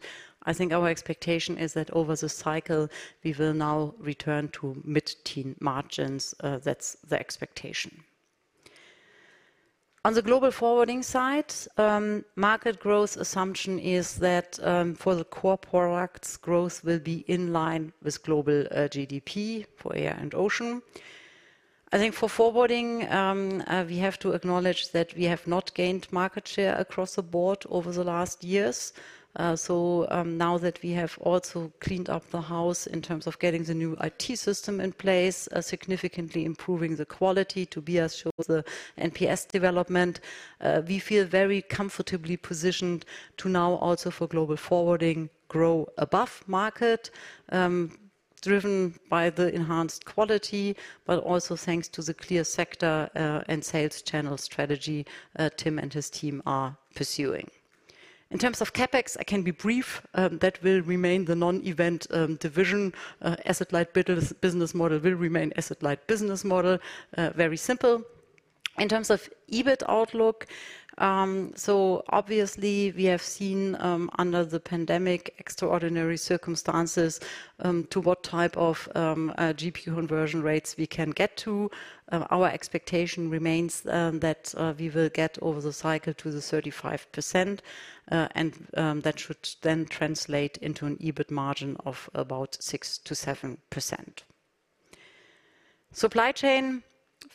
I think our expectation is that over the cycle, we will now return to mid-teen margins. That's the expectation. On the Global Forwarding side, market growth assumption is that, for the core products, growth will be in line with global, GDP for air and ocean. I think for forwarding, we have to acknowledge that we have not gained market share across the board over the last years. So, now that we have also cleaned up the house in terms of getting the new IT system in place, significantly improving the quality, Tobias showed the NPS development, we feel very comfortably positioned to now also for Global Forwarding, grow above market, driven by the enhanced quality, but also thanks to the clear sector, and sales channel strategy, Tim and his team are pursuing. In terms of CapEx, I can be brief. That will remain the non-event, division. Asset-light business, business model will remain asset-light business model. Very simple. In terms of EBIT outlook, so obviously we have seen, under the pandemic, extraordinary circumstances, to what type of, GP conversion rates we can get to. Our expectation remains that we will get over the cycle to the 35%, and that should then translate into an EBIT margin of about 6%-7%. Supply Chain,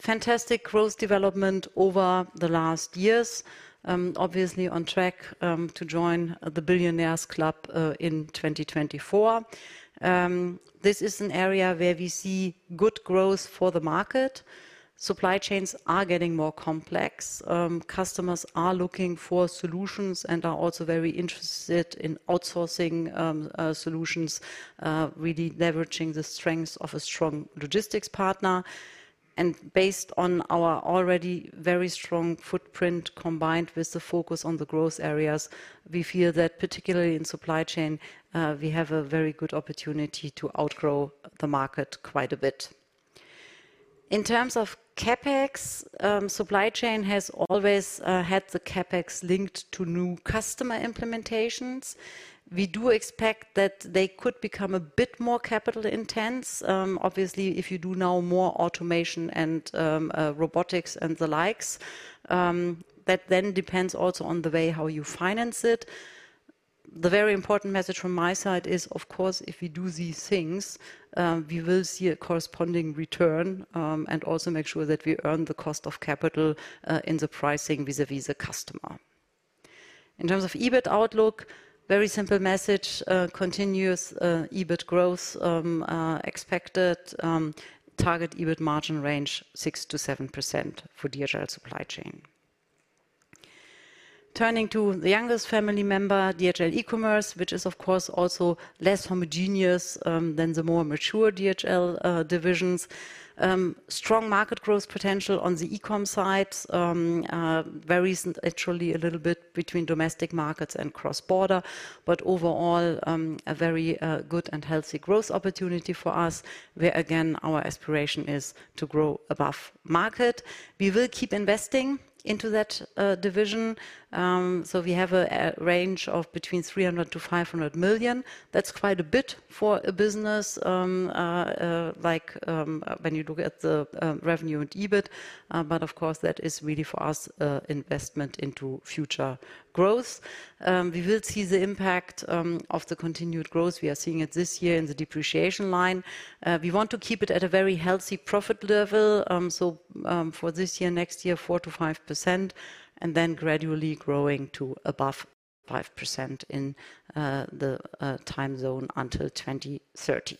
fantastic growth development over the last years. Obviously on track to join the Billionaires' Club in 2024. This is an area where we see good growth for the market. Supply chains are getting more complex. Customers are looking for solutions and are also very interested in outsourcing solutions, really leveraging the strengths of a strong logistics partner. Based on our already very strong footprint, combined with the focus on the growth areas, we feel that particularly in Supply Chain, we have a very good opportunity to outgrow the market quite a bit. In terms of CapEx, Supply Chain has always had the CapEx linked to new customer implementations. We do expect that they could become a bit more capital intense. Obviously, if you do now more automation and robotics and the likes, that then depends also on the way how you finance it. The very important message from my side is, of course, if we do these things, we will see a corresponding return and also make sure that we earn the cost of capital in the pricing vis-à-vis the customer. In terms of EBIT outlook, very simple message, continuous EBIT growth expected. Target EBIT margin range 6%-7% for DHL Supply Chain. Turning to the youngest family member, DHL eCommerce, which is of course, also less homogeneous than the more mature DHL divisions. Strong market growth potential on the eCom sides. Varies actually a little bit between domestic markets and cross-border, but overall, a very good and healthy growth opportunity for us, where again, our aspiration is to grow above market. We will keep investing into that division. So we have a range of between 300 million to 500 million. That's quite a bit for a business, like, when you look at the revenue and EBIT. But of course, that is really for us, a investment into future growth. We will see the impact of the continued growth. We are seeing it this year in the depreciation line. We want to keep it at a very healthy profit level. So, for this year, next year, 4%-5%, and then gradually growing to above 5% in the timeframe until 2030.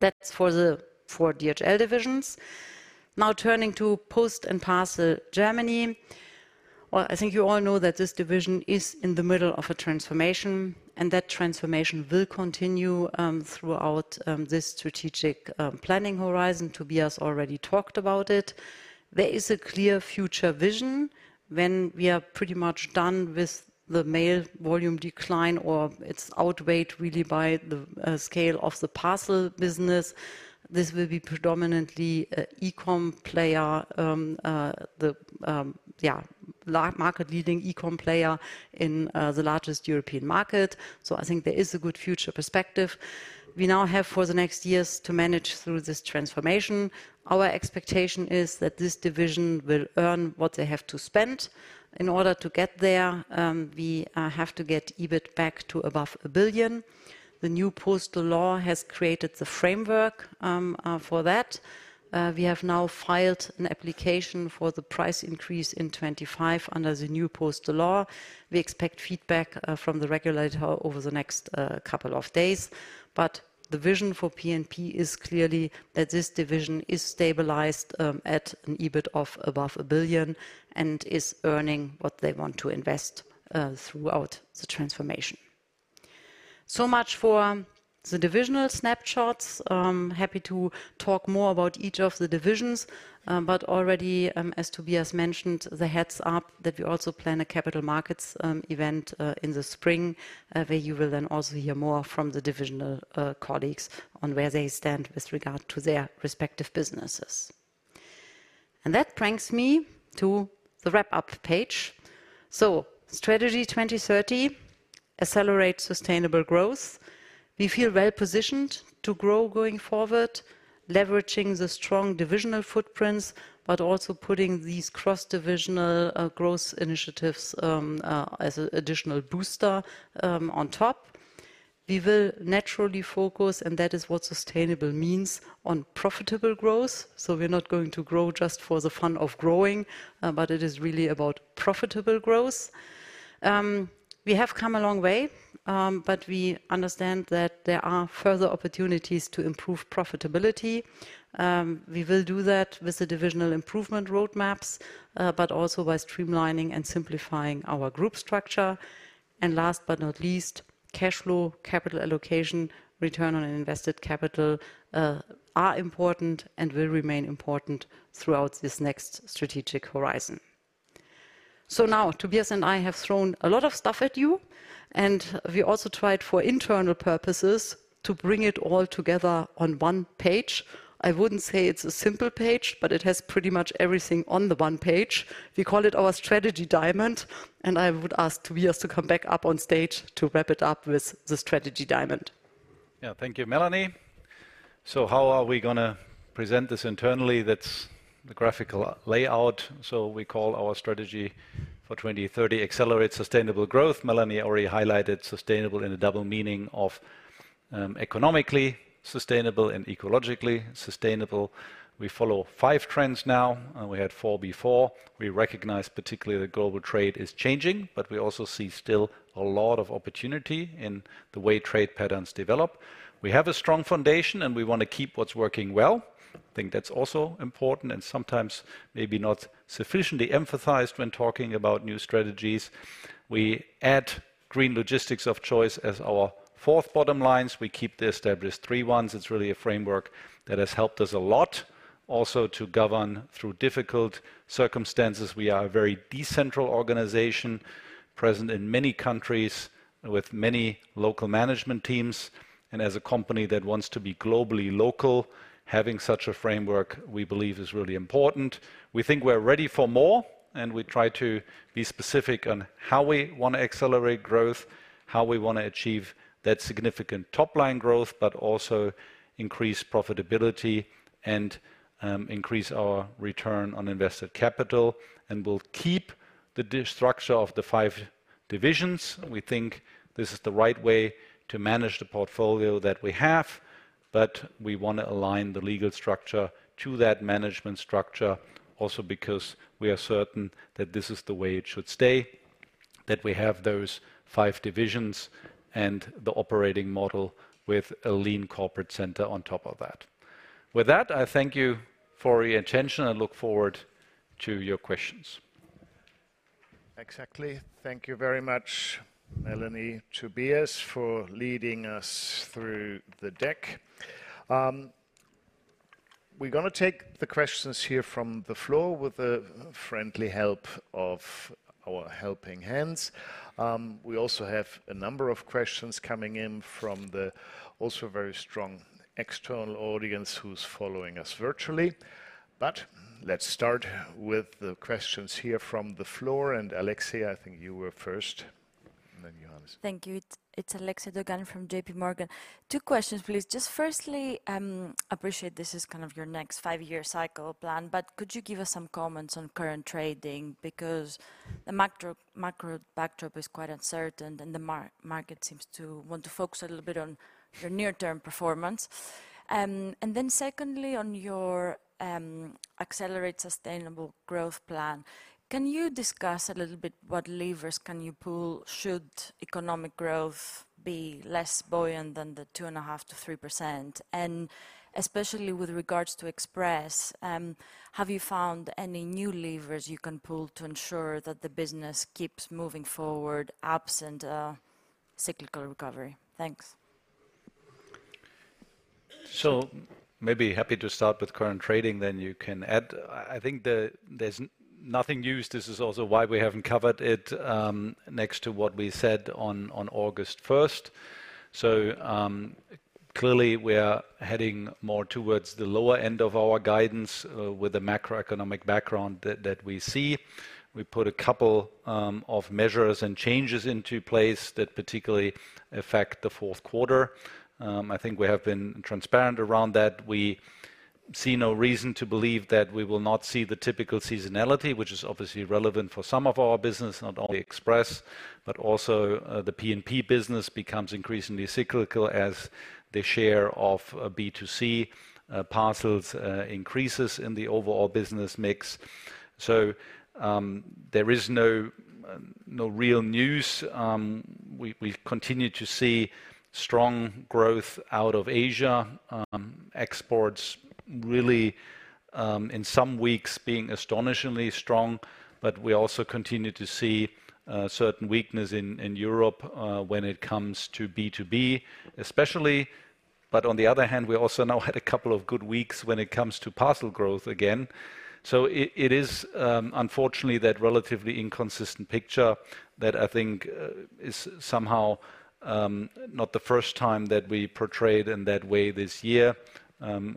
That's for the four DHL divisions. Now, turning to Post & Parcel Germany. Well, I think you all know that this division is in the middle of a transformation, and that transformation will continue throughout this strategic planning horizon. Tobias already talked about it. There is a clear future vision when we are pretty much done with the mail volume decline, or it's outweighed really by the scale of the parcel business. This will be predominantly a eCom player, the market-leading eCom player in the largest European market. So I think there is a good future perspective. We now have, for the next years, to manage through this transformation. Our expectation is that this division will earn what they have to spend. In order to get there, we have to get EBIT back to above 1 billion. The new postal law has created the framework for that. We have now filed an application for the price increase in 2025 under the new postal law. We expect feedback from the regulator over the next couple of days. But the vision for P&P is clearly that this division is stabilized at an EBIT of above 1 billion and is earning what they want to invest throughout the transformation. So much for the divisional snapshots. I'm happy to talk more about each of the divisions, but already, as Tobias mentioned, the heads-up that we also plan a capital markets event in the spring, where you will then also hear more from the divisional colleagues on where they stand with regard to their respective businesses. And that brings me to the wrap-up page. So Strategy 2030: Accelerate Sustainable Growth. We feel well positioned to grow going forward, leveraging the strong divisional footprints, but also putting these cross-divisional growth initiatives as an additional booster on top. We will naturally focus, and that is what sustainable means on profitable growth. So we're not going to grow just for the fun of growing, but it is really about profitable growth. We have come a long way, but we understand that there are further opportunities to improve profitability. We will do that with the divisional improvement roadmaps, but also by streamlining and simplifying our group structure. And last but not least, cash flow, capital allocation, return on invested capital, are important and will remain important throughout this next strategic horizon. So now, Tobias and I have thrown a lot of stuff at you, and we also tried for internal purposes to bring it all together on one page. I wouldn't say it's a simple page, but it has pretty much everything on the one page. We call it our Strategy Diamond, and I would ask Tobias to come back up on stage to wrap it up with the Strategy Diamond. Yeah. Thank you, Melanie. So how are we gonna present this internally? That's the graphical layout. So we call our strategy for 2030 Accelerate Sustainable Growth. Melanie already highlighted sustainable in a double meaning of, economically sustainable and ecologically sustainable. We follow five trends now, and we had four before. We recognize particularly that global trade is changing, but we also see still a lot of opportunity in the way trade patterns develop. We have a strong foundation, and we want to keep what's working well. I think that's also important and sometimes maybe not sufficiently emphasized when talking about new strategies. We add Green Logistics of Choice as our fourth bottom lines. We keep the established three ones. It's really a framework that has helped us a lot, also to govern through difficult circumstances. We are a very decentralized organization, present in many countries with many local management teams. And as a company that wants to be globally local, having such a framework, we believe, is really important. We think we're ready for more, and we try to be specific on how we want to accelerate growth, how we want to achieve that significant top-line growth, but also increase profitability and increase our return on invested capital. And we'll keep the structure of the five divisions. We think this is the right way to manage the portfolio that we have, but we want to align the legal structure to that management structure also because we are certain that this is the way it should stay, that we have those five divisions and the operating model with a lean corporate center on top of that. With that, I thank you for your attention and look forward to your questions. Exactly. Thank you very much, Melanie, Tobias, for leading us through the deck. We're gonna take the questions here from the floor with the friendly help of our helping hands. We also have a number of questions coming in from the also very strong external audience who's following us virtually. But let's start with the questions here from the floor, and Alexia, I think you were first, and then Johannes. Thank you. It's Alexia Dogani from Barclays. Two questions, please. Just firstly, appreciate this is kind of your next five-year cycle plan, but could you give us some comments on current trading? Because the macro backdrop is quite uncertain, and the market seems to want to focus a little bit on your near-term performance. And then secondly, on your Accelerate Sustainable Growth plan, can you discuss a little bit what levers can you pull, should economic growth be less buoyant than the 2.5% to 3%? And especially with regards to Express, have you found any new levers you can pull to ensure that the business keeps moving forward absent a cyclical recovery? Thanks. So maybe happy to start with current trading, then you can add. I think there's nothing new. This is also why we haven't covered it, next to what we said on August 1st. So, clearly, we are heading more towards the lower end of our guidance, with the macroeconomic background that we see. We put a couple of measures and changes into place that particularly affect the fourth quarter. I think we have been transparent around that. We see no reason to believe that we will not see the typical seasonality, which is obviously relevant for some of our business. Not only Express, but also the P&P business becomes increasingly cyclical as the share of B2C parcels increases in the overall business mix. So, there is no real news. We've continued to see strong growth out of Asia. Exports really in some weeks being astonishingly strong. But we also continue to see certain weakness in Europe when it comes to B2B especially. But on the other hand, we also now had a couple of good weeks when it comes to parcel growth again. So it is unfortunately that relatively inconsistent picture that I think is somehow not the first time that we portrayed in that way this year.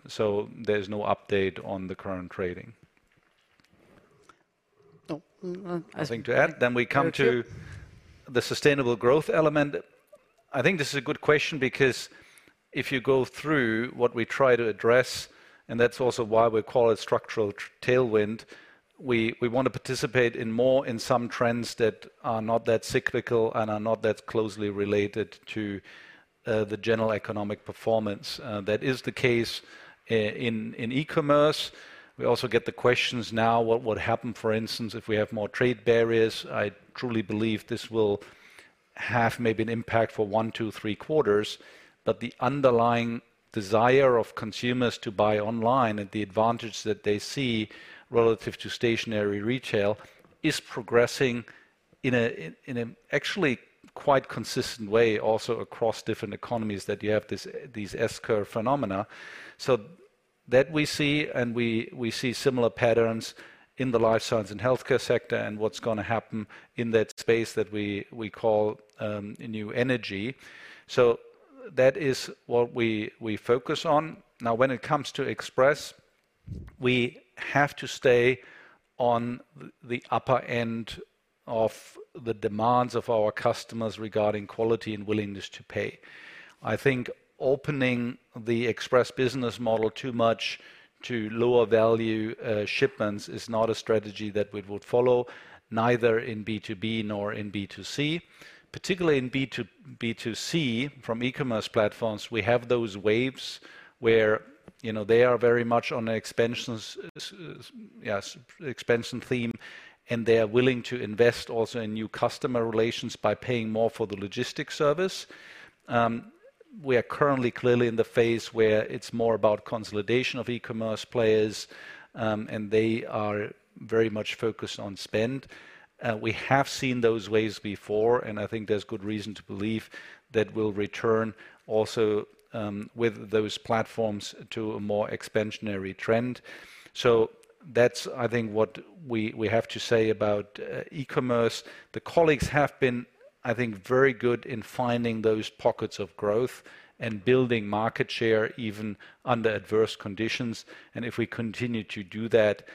So there's no update on the current trading. Nothing to add? Then we come to the sustainable growth element. I think this is a good question because if you go through what we try to address, and that's also why we call it structural tailwind, we want to participate more in some trends that are not that cyclical and are not that closely related to the general economic performance. That is the case in eCommerce. We also get the questions now, what would happen, for instance, if we have more trade barriers? I truly believe this will have maybe an impact for one, two, three quarters, but the underlying desire of consumers to buy online and the advantage that they see relative to stationary retail is progressing in an actually quite consistent way, also across different economies. That you have these S-curve phenomena. So that we see, and we see similar patterns in the Life Science and Healthcare sector and what's gonna happen in that space that we call New Energy. So that is what we focus on. Now, when it comes to Express, we have to stay on the upper end of the demands of our customers regarding quality and willingness to pay. I think opening the Express business model too much to lower value shipments is not a strategy that we would follow, neither in B2B nor in B2C. Particularly in B2C, from eCommerce platforms, we have those waves where, you know, they are very much on an expansion theme, and they are willing to invest also in new customer relations by paying more for the logistics service. We are currently clearly in the phase where it's more about consolidation of eCommerce players, and they are very much focused on spend. We have seen those waves before, and I think there's good reason to believe that we'll return also with those platforms to a more expansionary trend. So that's, I think, what we have to say about eCommerce. The colleagues have been, I think, very good in finding those pockets of growth and building market share, even under adverse conditions, and if we continue to do that,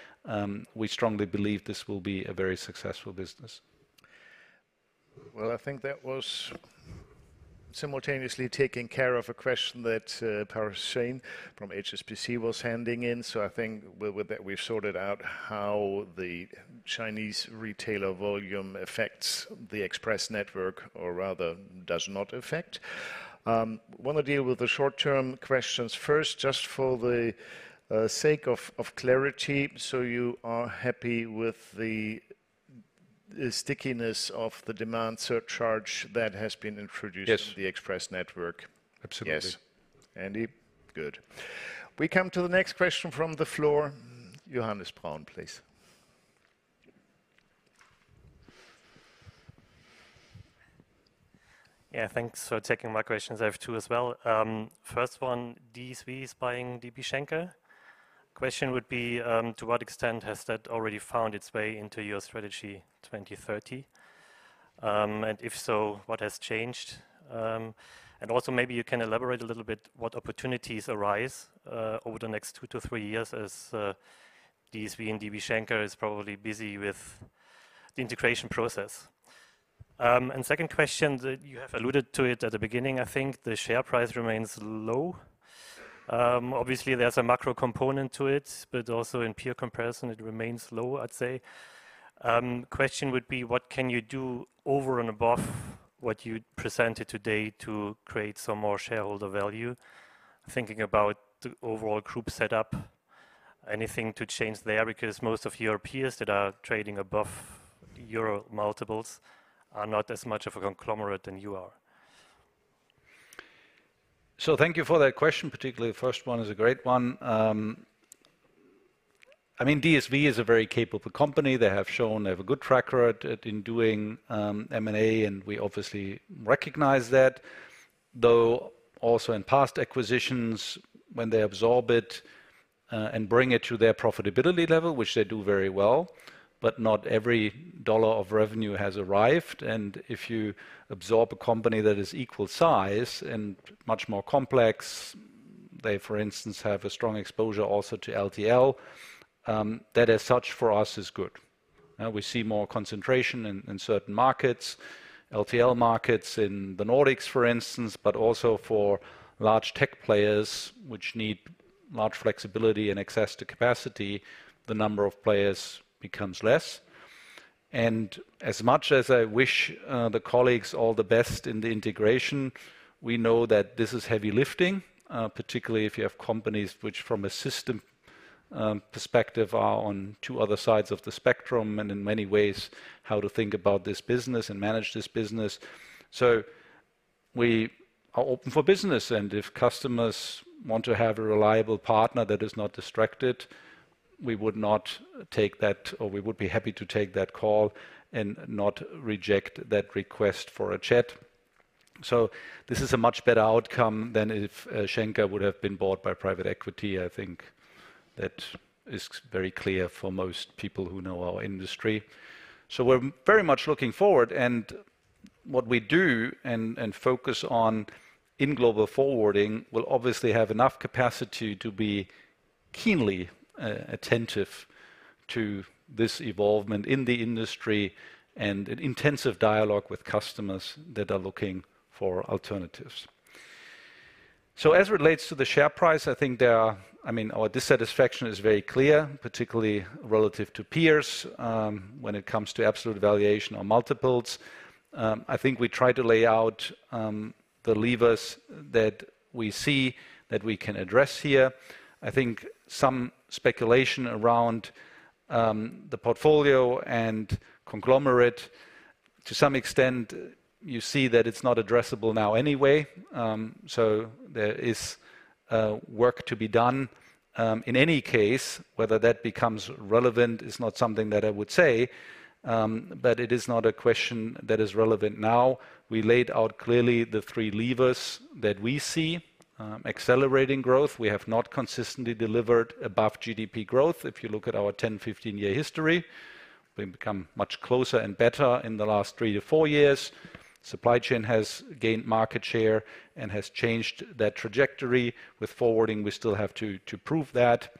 we strongly believe this will be a very successful business. I think that was simultaneously taking care of a question that Parash Jain from HSBC was handing in. So I think with that, we've sorted out how the Chinese retailer volume affects the Express network, or rather, does not affect. Want to deal with the short-term questions first, just for the sake of clarity. So you are happy with the stickiness of the demand surcharge that has been introduced to the Express network? Yes. Absolutely. Yes. Andy? Good. We come to the next question from the floor. Johannes Braun, please. Yeah, thanks for taking my questions. I have two as well. First one, DSV is buying DB Schenker. Question would be, to what extent has that already found its way into your Strategy 2030? If so, what has changed? Also, maybe you can elaborate a little bit what opportunities arise over the next two to three years as DSV and DB Schenker is probably busy with the integration process. Second question that you have alluded to it at the beginning, I think, the share price remains low. Obviously, there's a macro component to it, but also in peer comparison, it remains low, I'd say. Question would be: What can you do over and above what you presented today to create some more shareholder value? Thinking about the overall group setup, anything to change there? Because most of your peers that are trading above euro multiples are not as much of a conglomerate than you are. So thank you for that question. Particularly the first one is a great one. I mean, DSV is a very capable company. They have shown they have a good track record at, in doing, M&A, and we obviously recognize that. Though also in past acquisitions, when they absorb it, and bring it to their profitability level, which they do very well, but not every dollar of revenue has arrived. And if you absorb a company that is equal size and much more complex, they, for instance, have a strong exposure also to LTL. That, as such, for us, is good. We see more concentration in certain markets, LTL markets in the Nordics, for instance, but also for large tech players, which need large flexibility and access to capacity, the number of players becomes less. As much as I wish the colleagues all the best in the integration, we know that this is heavy lifting, particularly if you have companies which, from a system perspective, are on two other sides of the spectrum and in many ways, how to think about this business and manage this business. So we are open for business, and if customers want to have a reliable partner that is not distracted, we would not take that or we would be happy to take that call and not reject that request for a chat. So this is a much better outcome than if Schenker would have been bought by private equity. I think that is very clear for most people who know our industry. So we're very much looking forward, and what we do and focus on in Global Forwarding will obviously have enough capacity to be keenly attentive to this evolvement in the industry and an intensive dialogue with customers that are looking for alternatives. So as it relates to the share price, I think there are. I mean, our dissatisfaction is very clear, particularly relative to peers, when it comes to absolute valuation or multiples. I think we try to lay out the levers that we see that we can address here. I think some speculation around the portfolio and conglomerate, to some extent, you see that it's not addressable now anyway. So there is work to be done. In any case, whether that becomes relevant is not something that I would say, but it is not a question that is relevant now. We laid out clearly the three levers that we see. Accelerating growth, we have not consistently delivered above GDP growth. If you look at our ten, fifteen year history, we've become much closer and better in the last three to four years. Supply Chain has gained market share and has changed that trajectory. With forwarding, we still have to prove that.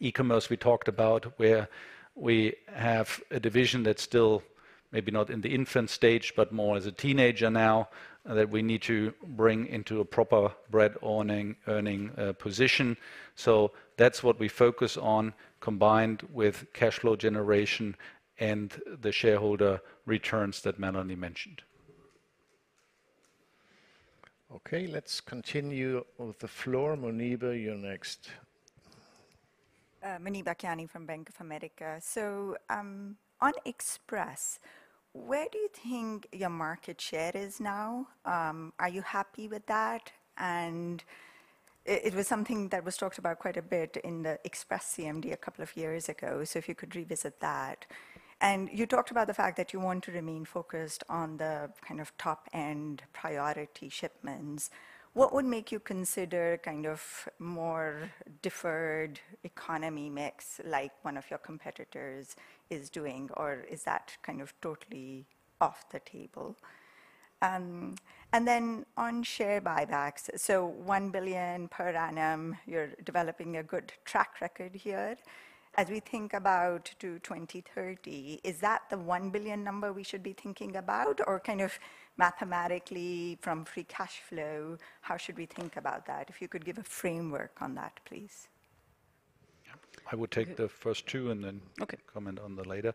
eCommerce, we talked about where we have a division that's still maybe not in the infant stage, but more as a teenager now, that we need to bring into a proper bread-earning position. So that's what we focus on, combined with cash flow generation and the shareholder returns that Melanie mentioned. Okay, let's continue with the floor. Muneeba, you're next. Muneeba Kayani from Bank of America. So, on Express, where do you think your market share is now? Are you happy with that? And it was something that was talked about quite a bit in the Express CMD a couple of years ago. So if you could revisit that. And you talked about the fact that you want to remain focused on the kind of top-end priority shipments. What would make you consider kind of more deferred economy mix like one of your competitors is doing, or is that kind of totally off the table? And then on share buybacks, so 1 billion per annum, you're developing a good track record here. As we think about to 2030, is that the 1 billion number we should be thinking about? Or kind of mathematically from free cash flow, how should we think about that? If you could give a framework on that, please. I would take the first two and then- Okay. Comment on the latter.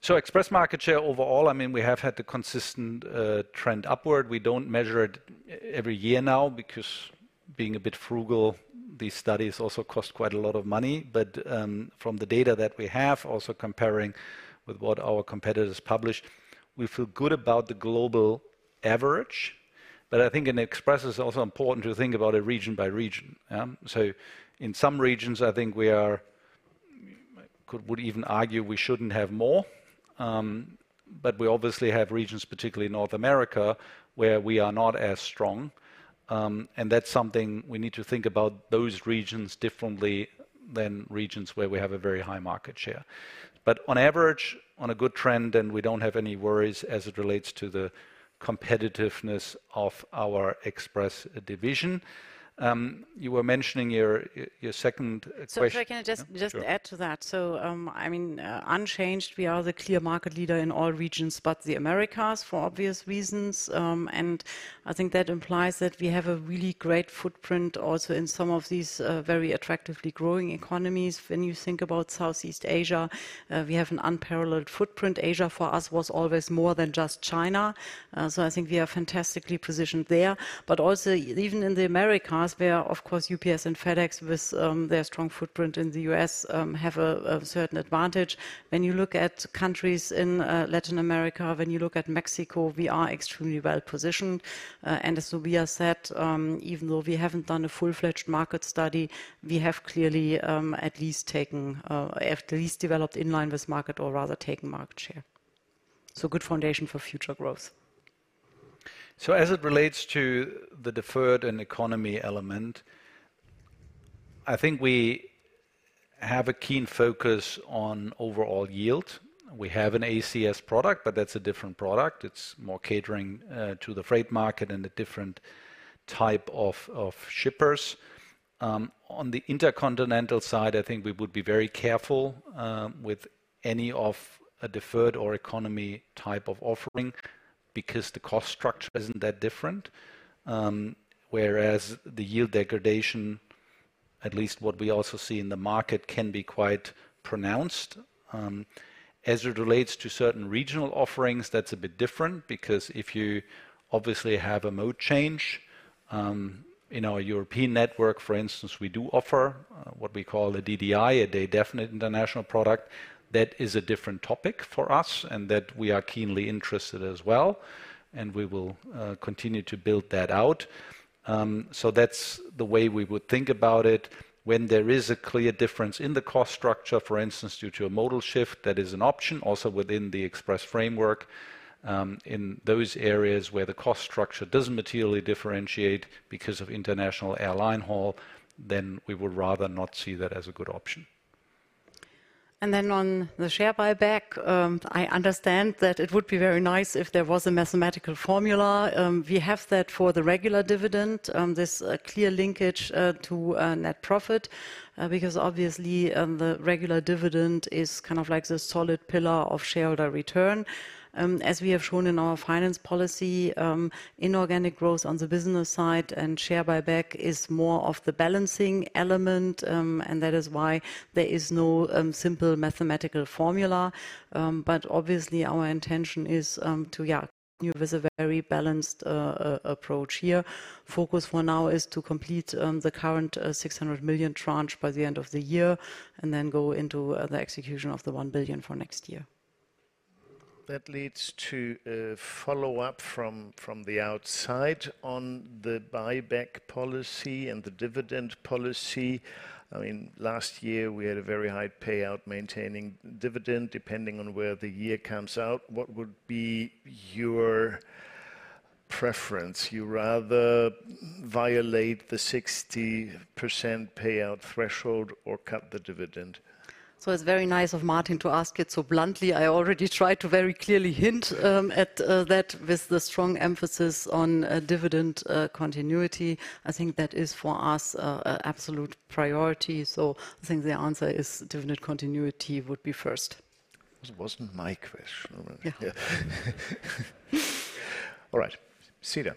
So Express market share overall, I mean, we have had the consistent trend upward. We don't measure it every year now because being a bit frugal, these studies also cost quite a lot of money. But from the data that we have, also comparing with what our competitors publish, we feel good about the global average. But I think in Express, it's also important to think about it region by region. So in some regions, I think we are, could even argue we shouldn't have more. But we obviously have regions, particularly North America, where we are not as strong. And that's something we need to think about those regions differently than regions where we have a very high market share. But on average, on a good trend, and we don't have any worries as it relates to the competitiveness of our Express division. You were mentioning your second question. So if I can just add to that, so I mean, unchanged, we are the clear market leader in all regions but the Americas, for obvious reasons, and I think that implies that we have a really great footprint also in some of these very attractively growing economies. When you think about Southeast Asia, we have an unparalleled footprint. Asia, for us, was always more than just China, so I think we are fantastically positioned there but also, even in the Americas, where, of course, UPS and FedEx, with their strong footprint in the U.S., have a certain advantage. When you look at countries in Latin America, when you look at Mexico, we are extremely well-positioned. And as Tobias said, even though we haven't done a full-fledged market study, we have clearly at least developed in line with market or rather, taken market share. So, good foundation for future growth. So as it relates to the deferred and economy element, I think we have a keen focus on overall yield. We have an ACS product, but that's a different product. It's more catering to the freight market and a different type of shippers. On the intercontinental side, I think we would be very careful with any of a deferred or economy type of offering because the cost structure isn't that different. Whereas the yield degradation, at least what we also see in the market, can be quite pronounced. As it relates to certain regional offerings, that's a bit different because if you obviously have a mode change in our European network, for instance, we do offer what we call a DDI, a Day Definite International product. That is a different topic for us, and that we are keenly interested as well, and we will continue to build that out, so that's the way we would think about it. When there is a clear difference in the cost structure, for instance, due to a modal shift, that is an option also within the Express framework. In those areas where the cost structure doesn't materially differentiate because of international airline haul, then we would rather not see that as a good option. And then on the share buyback, I understand that it would be very nice if there was a mathematical formula. We have that for the regular dividend, this clear linkage to net profit. Because obviously, the regular dividend is kind of like the solid pillar of shareholder return. As we have shown in our finance policy, inorganic growth on the business side and share buyback is more of the balancing element, and that is why there is no simple mathematical formula. But obviously, our intention is to yeah continue with a very balanced approach here. Focus for now is to complete the current 600 million tranche by the end of the year, and then go into the execution of the 1 billion for next year. That leads to a follow-up from the outside on the buyback policy and the dividend policy. I mean, last year, we had a very high payout maintaining dividend. Depending on where the year comes out, what would be your preference? You rather violate the 60% payout threshold or cut the dividend? So it's very nice of Martin to ask it so bluntly. I already tried to very clearly hint at that with the strong emphasis on dividend continuity. I think that is for us an absolute priority. So I think the answer is dividend continuity would be first. It wasn't my question. Yeah. All right, Cedar.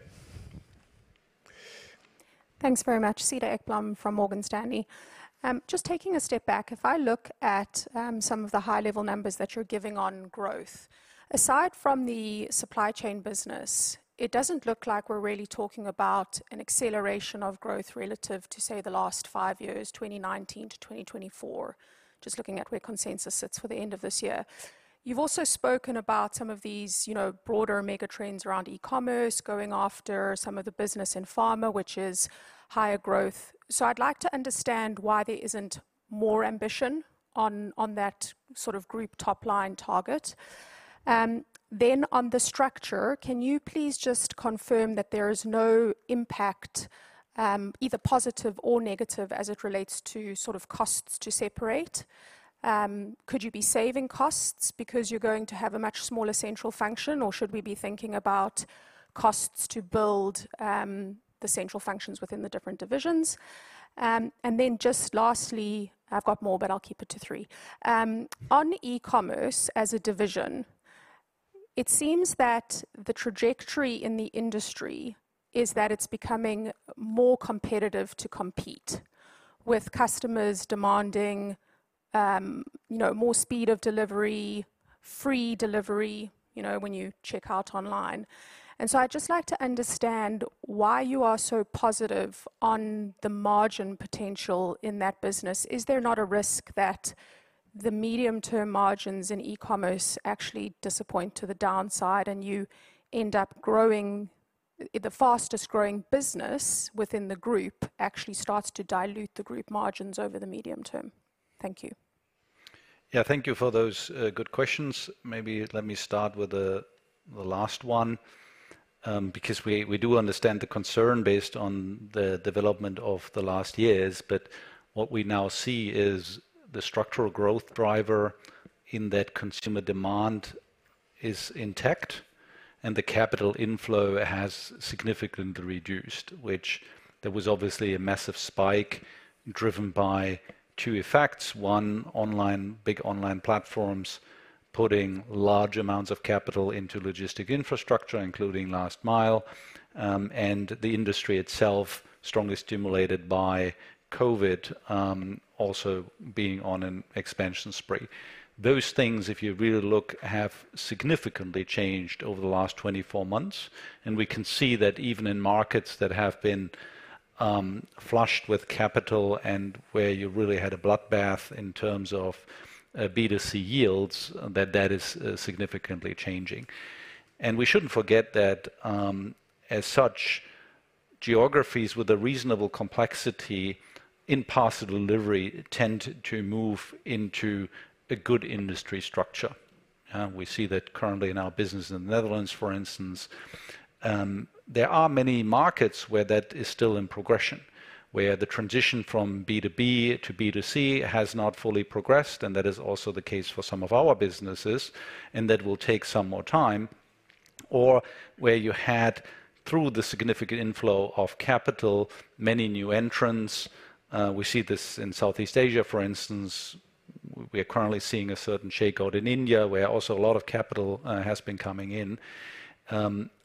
Thanks very much. Cedar Ekblom from Morgan Stanley. Just taking a step back, if I look at some of the high-level numbers that you're giving on growth, aside from the Supply Chain business, it doesn't look like we're really talking about an acceleration of growth relative to, say, the last five years, 2019-2024. Just looking at where consensus sits for the end of this year. You've also spoken about some of these, you know, broader mega trends around eCommerce, going after some of the business in pharma, which is higher growth. So I'd like to understand why there isn't more ambition on, on that sort of group top-line target. Then on the structure, can you please just confirm that there is no impact, either positive or negative, as it relates to sort of costs to separate? Could you be saving costs because you're going to have a much smaller central function, or should we be thinking about costs to build the central functions within the different divisions, and then just lastly, I've got more, but I'll keep it to three. On eCommerce as a division. It seems that the trajectory in the industry is that it's becoming more competitive to compete, with customers demanding, you know, more speed of delivery, free delivery, you know, when you check out online, and so I'd just like to understand why you are so positive on the margin potential in that business. Is there not a risk that the medium-term margins in eCommerce actually disappoint to the downside, and you end up growing, the fastest-growing business within the group actually starts to dilute the group margins over the medium term? Thank you. Yeah, thank you for those good questions. Maybe let me start with the last one, because we do understand the concern based on the development of the last years. But what we now see is the structural growth driver in that consumer demand is intact, and the capital inflow has significantly reduced, which there was obviously a massive spike driven by two effects: one, online, big online platforms putting large amounts of capital into logistic infrastructure, including last mile, and the industry itself, strongly stimulated by COVID, also being on an expansion spree. Those things, if you really look, have significantly changed over the last 24 months, and we can see that even in markets that have been flushed with capital and where you really had a bloodbath in terms of B2C yields, that is significantly changing. And we shouldn't forget that, as such, geographies with a reasonable complexity in parcel delivery tend to move into a good industry structure. We see that currently in our business in the Netherlands, for instance. There are many markets where that is still in progression, where the transition from B2B to B2C has not fully progressed, and that is also the case for some of our businesses, and that will take some more time. Or where you had, through the significant inflow of capital, many new entrants. We see this in Southeast Asia, for instance. We are currently seeing a certain shakeout in India, where also a lot of capital has been coming in.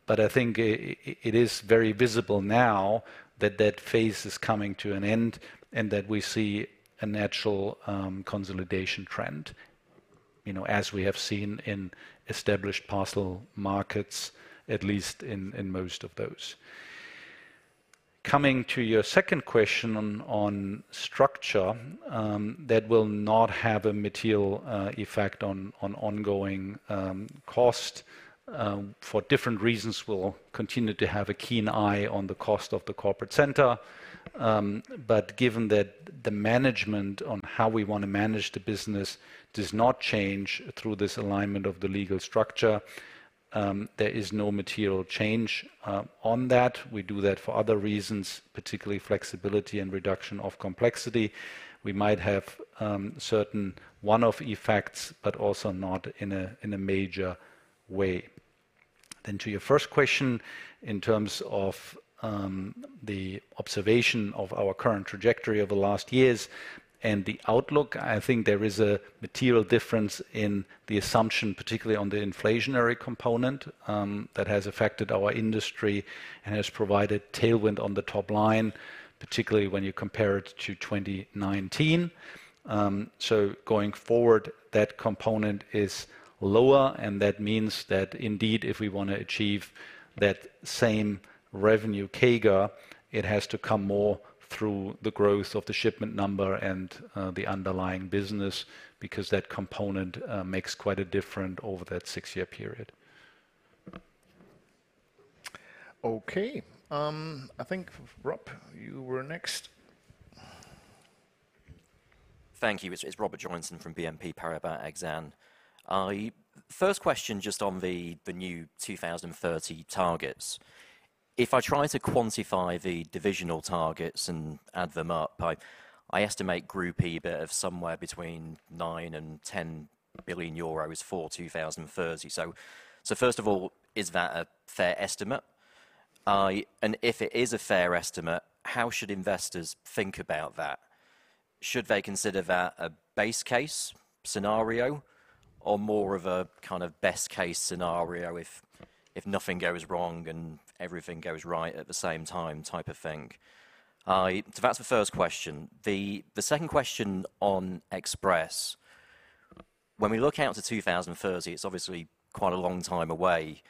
But I think it is very visible now that that phase is coming to an end, and that we see a natural consolidation trend, you know, as we have seen in established parcel markets, at least in most of those. Coming to your second question on structure, that will not have a material effect on ongoing cost. For different reasons, we'll continue to have a keen eye on the cost of the corporate center. But given that the management on how we want to manage the business does not change through this alignment of the legal structure, there is no material change on that. We do that for other reasons, particularly flexibility and reduction of complexity. We might have certain one-off effects but also not in a major way. Then to your first question, in terms of the observation of our current trajectory over the last years and the outlook, I think there is a material difference in the assumption, particularly on the inflationary component that has affected our industry and has provided tailwind on the top line, particularly when you compare it to 2019. So going forward, that component is lower, and that means that indeed, if we want to achieve that same revenue CAGR, it has to come more through the growth of the shipment number and the underlying business, because that component makes quite a difference over that six-year period. Okay, I think, Rob, you were next. Thank you. It's Robert Joynson from BNP Paribas Exane. First question, just on the new 2030 targets. If I try to quantify the divisional targets and add them up, I estimate Group EBIT of somewhere between 9 billion and 10 billion euros for 2030. So first of all, is that a fair estimate? And if it is a fair estimate, how should investors think about that? Should they consider that a base case scenario or more of a kind of best case scenario if nothing goes wrong and everything goes right at the same time type of thing? So that's the first question. The second question on Express: When we look out to 2030, it's obviously quite a long time away.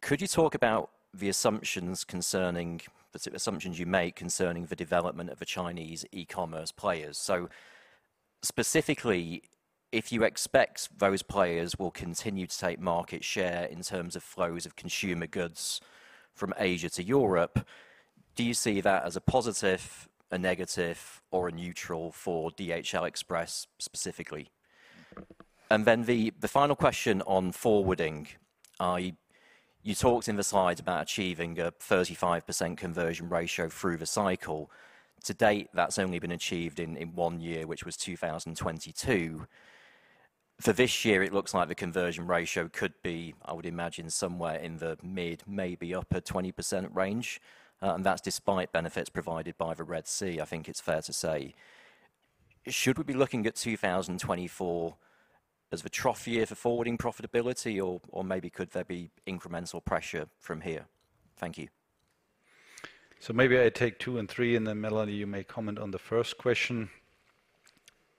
Could you talk about the assumptions you make concerning the development of the Chinese e-commerce players? So specifically, if you expect those players will continue to take market share in terms of flows of consumer goods from Asia to Europe, do you see that as a positive, a negative, or a neutral for DHL Express specifically? And then the final question on forwarding. You talked in the slides about achieving a 35% conversion ratio through the cycle. To date, that's only been achieved in one year, which was 2022. For this year, it looks like the conversion ratio could be, I would imagine, somewhere in the mid- maybe upper-20% range, and that's despite benefits provided by the Red Sea, I think it's fair to say. Should we be looking at 2024 as the trough year for forwarding profitability? Or, or maybe could there be incremental pressure from here? Thank you. So maybe I take two and three, and then Melanie, you may comment on the first question.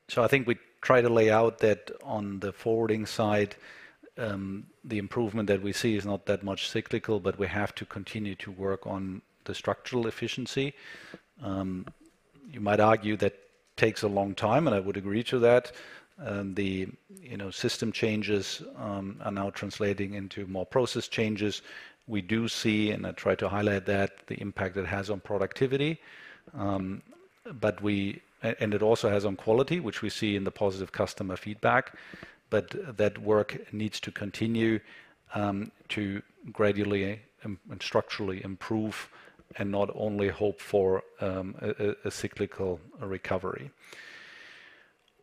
So I think we try to lay out that on the forwarding side, the improvement that we see is not that much cyclical, but we have to continue to work on the structural efficiency. You might argue that takes a long time, and I would agree to that. And, you know, the system changes are now translating into more process changes. We do see, and I try to highlight that, the impact it has on productivity. But it also has on quality, which we see in the positive customer feedback. But that work needs to continue, to gradually and structurally improve, and not only hope for a cyclical recovery.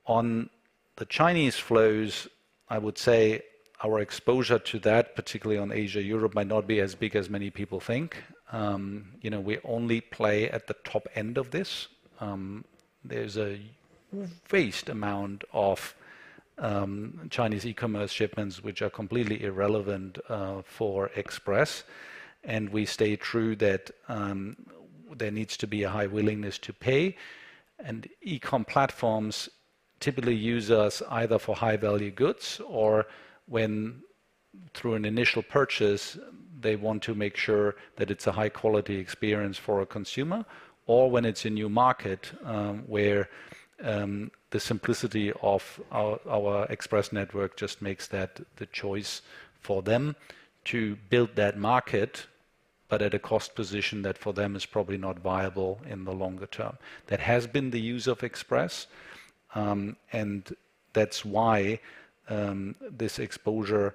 On the Chinese flows, I would say our exposure to that, particularly on Asia, Europe, might not be as big as many people think. You know, we only play at the top end of this. There's a vast amount of Chinese eCommerce shipments, which are completely irrelevant for Express, and we stay true that there needs to be a high willingness to pay, and e-com platforms typically use us either for high-value goods or when, through an initial purchase, they want to make sure that it's a high-quality experience for a consumer, or when it's a new market, where the simplicity of our Express network just makes that the choice for them to build that market, but at a cost position that for them is probably not viable in the longer term. That has been the use of Express, and that's why, this exposure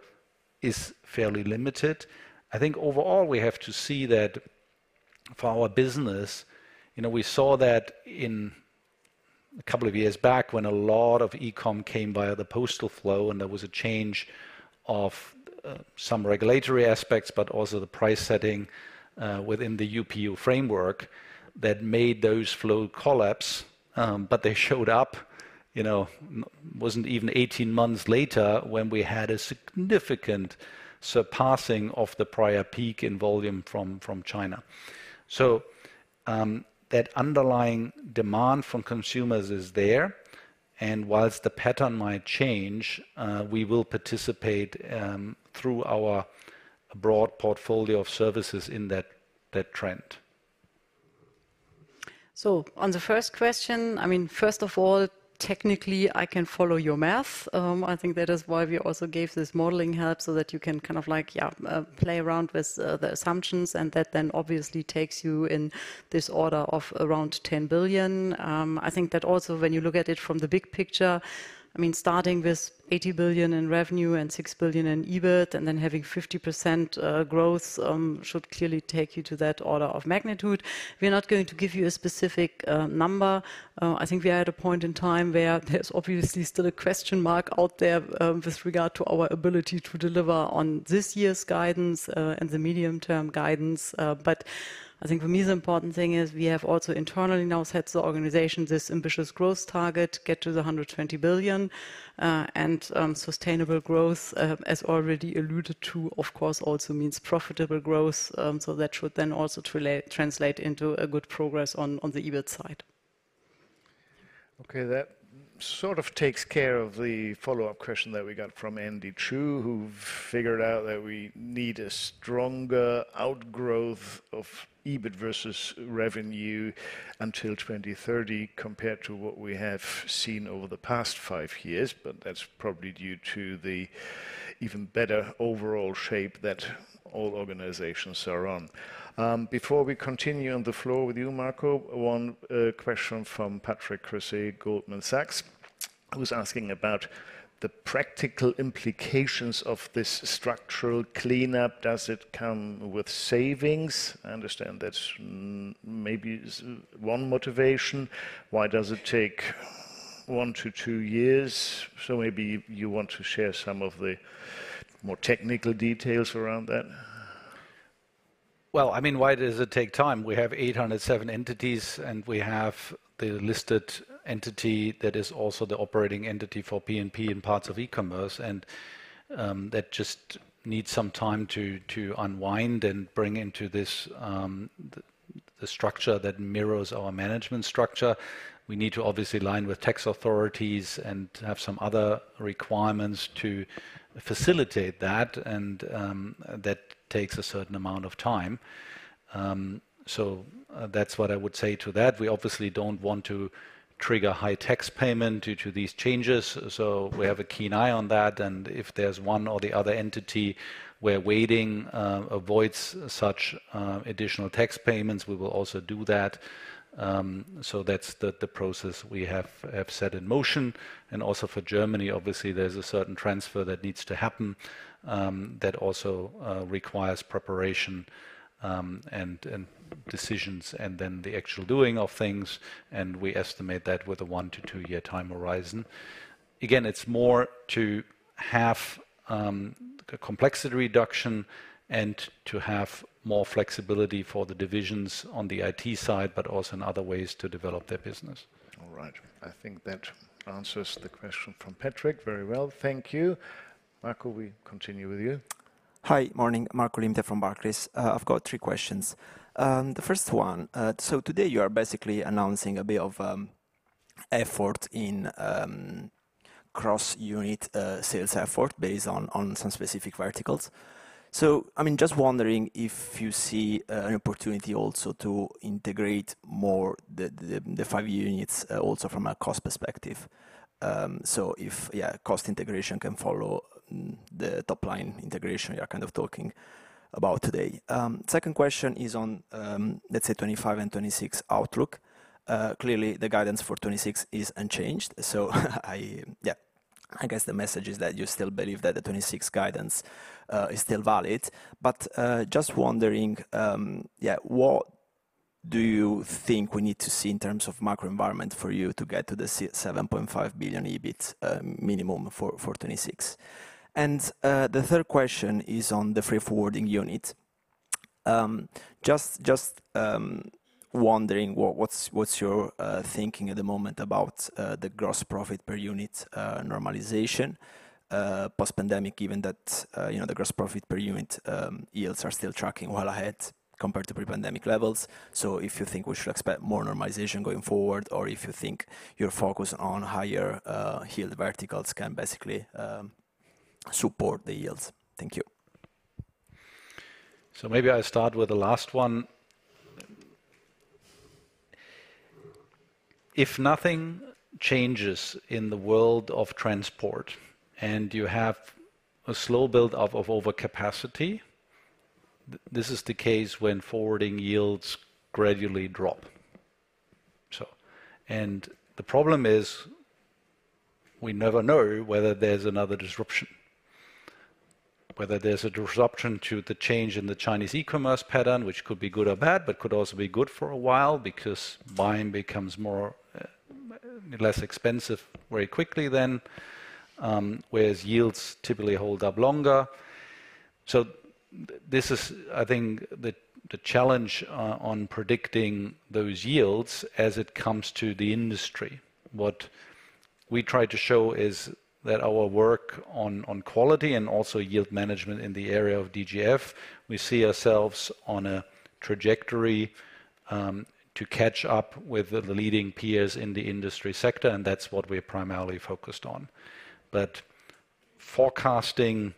is fairly limited. I think overall, we have to see that for our business, you know, we saw that in a couple of years back when a lot of e-com came via the postal flow, and there was a change of, some regulatory aspects, but also the price setting, within the UPU framework that made those flows collapse. But they showed up, you know, wasn't even eighteen months later, when we had a significant surpassing of the prior peak in volume from China. So, that underlying demand from consumers is there, and while the pattern might change, we will participate, through our broad portfolio of services in that trend. On the first question, I mean, first of all, technically, I can follow your math. I think that is why we also gave this modeling help, so that you can kind of like play around with the assumptions, and that then obviously takes you in this order of around 10 billion. I think that also when you look at it from the big picture, I mean, starting with 80 billion in revenue and 6 billion in EBIT and then having 50% growth should clearly take you to that order of magnitude. We're not going to give you a specific number. I think we are at a point in time where there's obviously still a question mark out there with regard to our ability to deliver on this year's guidance and the medium-term guidance. But I think for me, the important thing is we have also internally now set the organization this ambitious growth target, get to the 120 billion. And sustainable growth, as already alluded to, of course, also means profitable growth. So that should then also translate into a good progress on the EBIT side. Okay, that sort of takes care of the follow-up question that we got from Andy Chu, who figured out that we need a stronger outgrowth of EBIT versus revenue until 2030 compared to what we have seen over the past five years. But that's probably due to the even better overall shape that all organizations are on. Before we continue on the floor with you, Marco, one question from Patrick Creuset, Goldman Sachs, who's asking about the practical implications of this structural cleanup. Does it come with savings? I understand that's maybe one motivation. Why does it take one to two years? So maybe you want to share some of the more technical details around that. Well, I mean, why does it take time? We have 807 entities, and we have the listed entity that is also the operating entity for P&P in parts of eCommerce, and that just needs some time to unwind and bring into this the structure that mirrors our management structure. We need to obviously align with tax authorities and have some other requirements to facilitate that, and that takes a certain amount of time. So that's what I would say to that. We obviously don't want to trigger high tax payment due to these changes, so we have a keen eye on that. And if there's one or the other entity where waiting avoids such additional tax payments, we will also do that. So that's the process we have set in motion. And also for Germany, obviously, there's a certain transfer that needs to happen, that also requires preparation, and decisions, and then the actual doing of things, and we estimate that with a one-to-two-year time horizon. Again, it's more to have a complexity reduction and to have more flexibility for the divisions on the IT side, but also in other ways to develop their business. All right. I think that answers the question from Patrick very well. Thank you. Marco, we continue with you. Hi. Morning. Marco Limite from Barclays. I've got three questions. The first one, so today you are basically announcing a bit of effort in cross-unit sales effort based on some specific verticals. So, I mean, just wondering if you see an opportunity also to integrate more the five units also from a cost perspective. So if yeah cost integration can follow the top-line integration you are kind of talking about today. Second question is on let's say 2025 and 2026 outlook. Clearly the guidance for 2026 is unchanged, so I yeah I guess the message is that you still believe that the 2026 guidance is still valid. But just wondering, yeah, what do you think we need to see in terms of macro environment for you to get to the 7.5 billion EBIT minimum for 2026? And the third question is on the freight forwarding unit. Just wondering what's your thinking at the moment about the gross profit per unit normalization post-pandemic, given that, you know, the gross profit per unit yields are still tracking well ahead compared to pre-pandemic levels? So if you think we should expect more normalization going forward, or if you think your focus on higher yield verticals can basically support the yields. Thank you. Maybe I start with the last one. If nothing changes in the world of transport, and you have a slow build-up of overcapacity, this is the case when forwarding yields gradually drop. And the problem is, we never know whether there's another disruption, whether there's a disruption to the change in the Chinese eCommerce pattern, which could be good or bad, but could also be good for a while because buying becomes more less expensive very quickly then, whereas yields typically hold up longer. This is, I think, the challenge on predicting those yields as it comes to the industry. What we try to show is that our work on quality and also yield management in the area of DGF, we see ourselves on a trajectory to catch up with the leading peers in the industry sector, and that's what we're primarily focused on. But forecasting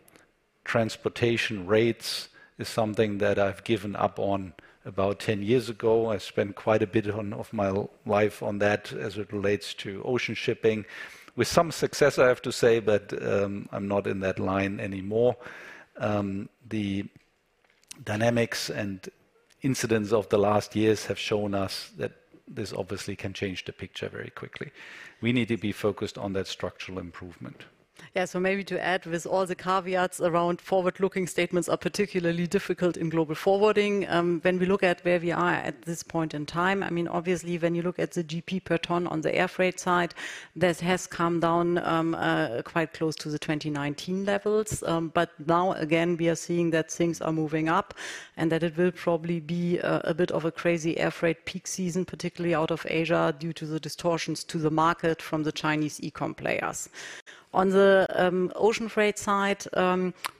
transportation rates is something that I've given up on about ten years ago. I spent quite a bit of my life on that as it relates to ocean shipping, with some success, I have to say, but I'm not in that line anymore. The dynamics and incidents of the last years have shown us that this obviously can change the picture very quickly. We need to be focused on that structural improvement. Yeah. So maybe to add, with all the caveats around, forward-looking statements are particularly difficult in Global Forwarding. When we look at where we are at this point in time, I mean, obviously, when you look at the GP per ton on the air freight side, that has come down, quite close to the 2019 levels. But now again, we are seeing that things are moving up, and that it will probably be a bit of a crazy air freight peak season, particularly out of Asia, due to the distortions to the market from the Chinese e-com players. On the ocean freight side,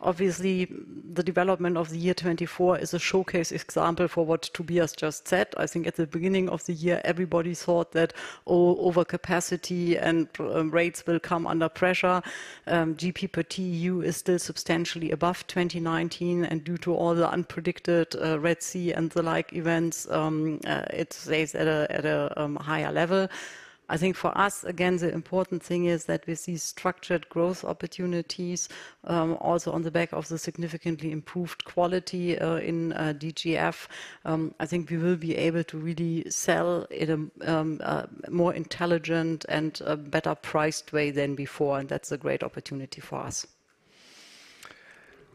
obviously, the development of the year 2024 is a showcase example for what Tobias just said. I think at the beginning of the year, everybody thought that overcapacity and rates will come under pressure. GP per TEU is still substantially above 2019, and due to all the unpredictable Red Sea and the like events, it stays at a higher level. I think for us, again, the important thing is that we see structured growth opportunities, also on the back of the significantly improved quality, in DGF. I think we will be able to really sell in a more intelligent and a better-priced way than before, and that's a great opportunity for us.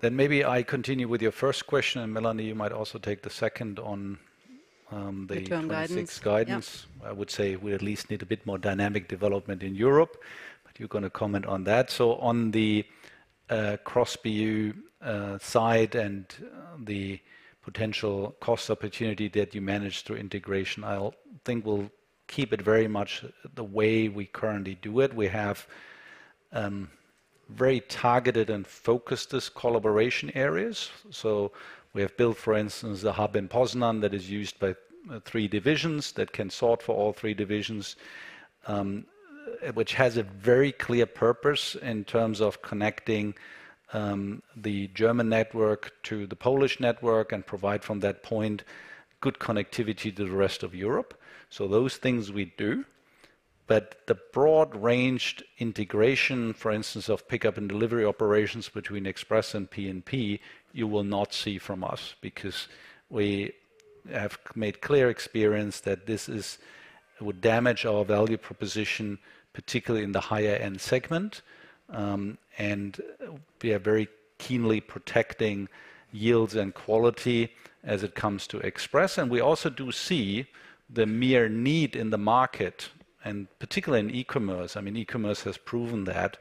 Then, maybe I continue with your first question, and Melanie, you might also take the second on, the- Term guidance... 2026 guidance. Yeah. I would say we at least need a bit more dynamic development in Europe, but you're going to comment on that. So on the cross BU side and the potential cost opportunity that you manage through integration, I think we'll keep it very much the way we currently do it. We have very targeted and focused as collaboration areas, so we have built, for instance, a hub in Poznań that is used by three divisions, that can sort for all three divisions, which has a very clear purpose in terms of connecting the German network to the Polish network and provide from that point good connectivity to the rest of Europe. So those things we do. But the broad-ranged integration, for instance, of pick-up and delivery operations between Express and P&P, you will not see from us because we have made clear experience that would damage our value proposition, particularly in the higher-end segment. And we are very keenly protecting yields and quality as it comes to Express. And we also do see the mere need in the market, and particularly in eCommerce, I mean, eCommerce has proven that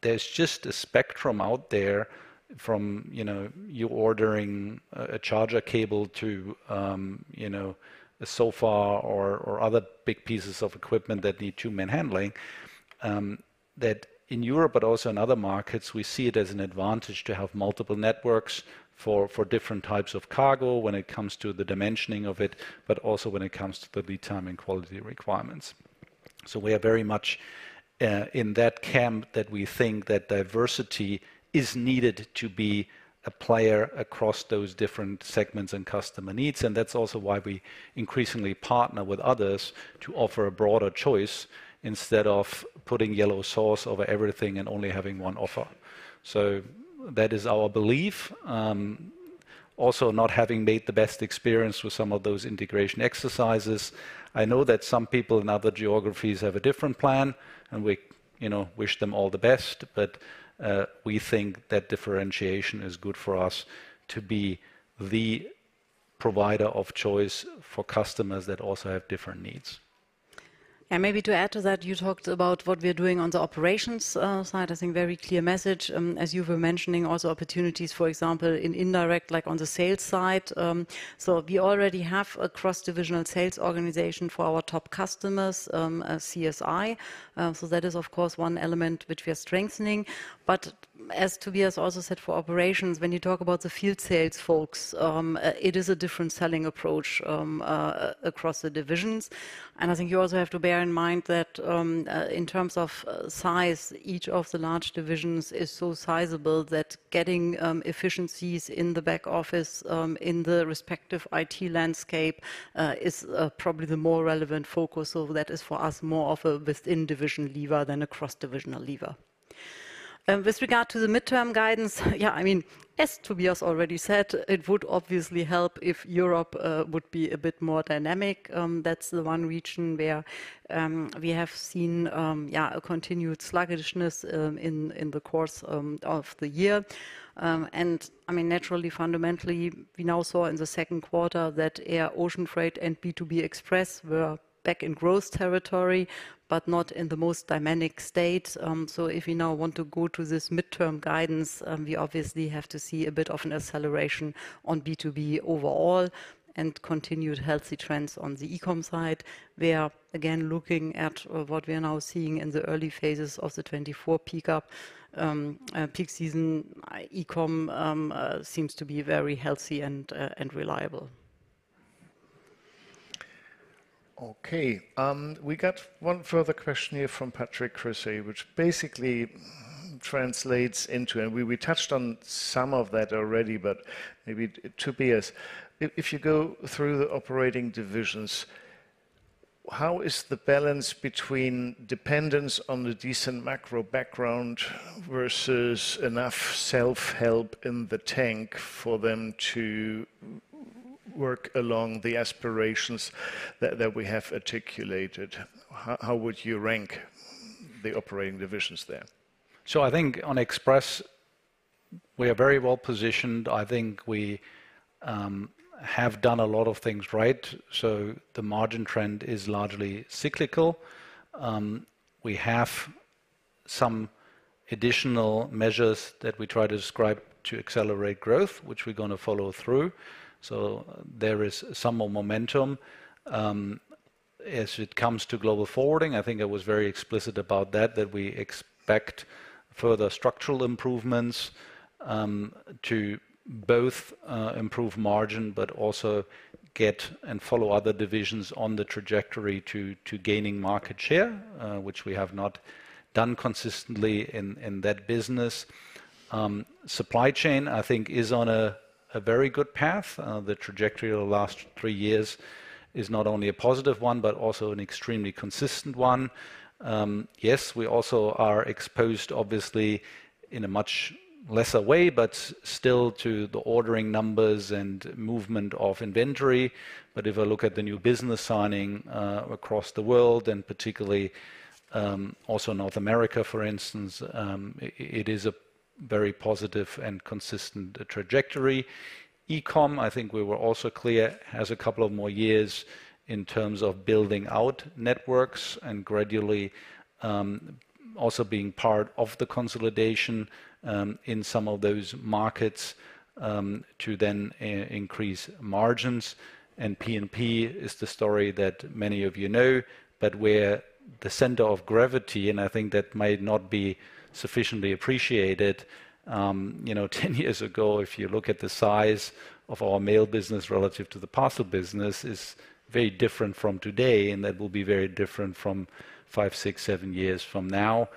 there's just a spectrum out there from, you know, you ordering a charger cable to, you know, a sofa or other big pieces of equipment that need two-man handling. That in Europe, but also in other markets, we see it as an advantage to have multiple networks for different types of cargo when it comes to the dimensioning of it, but also when it comes to the lead time and quality requirements. So we are very much in that camp that we think that diversity is needed to be a player across those different segments and customer needs. And that's also why we increasingly partner with others to offer a broader choice instead of putting yellow sauce over everything and only having one offer. So that is our belief. Also, not having made the best experience with some of those integration exercises, I know that some people in other geographies have a different plan, and we, you know, wish them all the best. But, we think that differentiation is good for us to be the Provider of Choice for customers that also have different needs. And maybe to add to that, you talked about what we are doing on the operations side. I think very clear message, as you were mentioning, also opportunities, for example, in indirect, like on the sales side. So we already have a cross-divisional sales organization for our top customers, CSI. So that is, of course, one element which we are strengthening. But as Tobias also said, for operations, when you talk about the field sales folks, it is a different selling approach across the divisions. And I think you also have to bear in mind that, in terms of size, each of the large divisions is so sizable that getting efficiencies in the back-office, in the respective IT landscape, is probably the more relevant focus. So that is for us, more of a within-division lever than a cross-divisional lever. With regard to the mid-term guidance, yeah, I mean, as Tobias already said, it would obviously help if Europe would be a bit more dynamic. That's the one region where we have seen yeah, a continued sluggishness in the course of the year. And I mean, naturally, fundamentally, we now saw in the second quarter that Air, Ocean Freight and B2B Express were back in growth territory, but not in the most dynamic state. So if you now want to go to this mid-term guidance, we obviously have to see a bit of an acceleration on B2B overall and continued healthy trends on the eCom side, where again, looking at what we are now seeing in the early phases of the 2024 peak season, eCom seems to be very healthy and reliable. Okay. We got one further question here from Patrick Creuset, which basically translates into... And we touched on some of that already, but maybe Tobias, if you go through the operating divisions, how is the balance between dependence on the decent macro background versus enough self-help in the tank for them to work along the aspirations that we have articulated? How would you rank the operating divisions there? So I think on Express, we are very well positioned. I think we have done a lot of things right. So the margin trend is largely cyclical. We have some additional measures that we try to describe to accelerate growth, which we're going to follow through. So there is some more momentum. As it comes to Global Forwarding, I think I was very explicit about that, that we expect further structural improvements to both improve margin but also get and follow other divisions on the trajectory to gaining market share, which we have not done consistently in that business. Supply Chain, I think, is on a very good path. The trajectory of the last three years is not only a positive one, but also an extremely consistent one. Yes, we also are exposed, obviously in a much lesser way, but still to the ordering numbers and movement of inventory. But if I look at the new business signing across the world, and particularly also North America, for instance, it is a very positive and consistent trajectory. eCom, I think we were also clear, has a couple of more years in terms of building out networks and gradually also being part of the consolidation in some of those markets to then increase margins. And P&P is the story that many of you know, but where the center of gravity, and I think that might not be sufficiently appreciated. You know, ten years ago, if you look at the size of our mail business relative to the parcel business, is very different from today, and that will be very different from five, six, seven years from now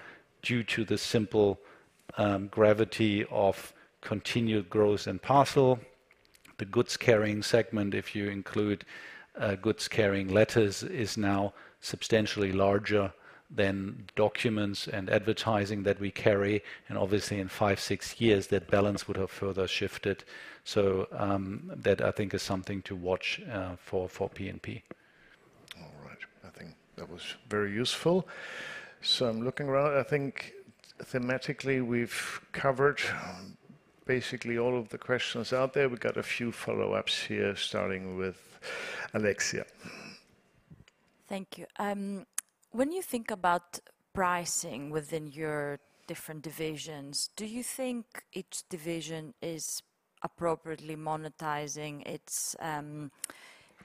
due to the simple gravity of continued growth in parcel. The goods carrying segment, if you include goods carrying letters, is now substantially larger than documents and advertising that we carry. And obviously, in five, six years, that balance would have further shifted. So, that, I think, is something to watch for P&P. All right. I think that was very useful. So I'm looking around. I think thematically, we've covered basically all of the questions out there. We've got a few follow-ups here, starting with Alexia. Thank you. When you think about pricing within your different divisions, do you think each division is appropriately monetizing its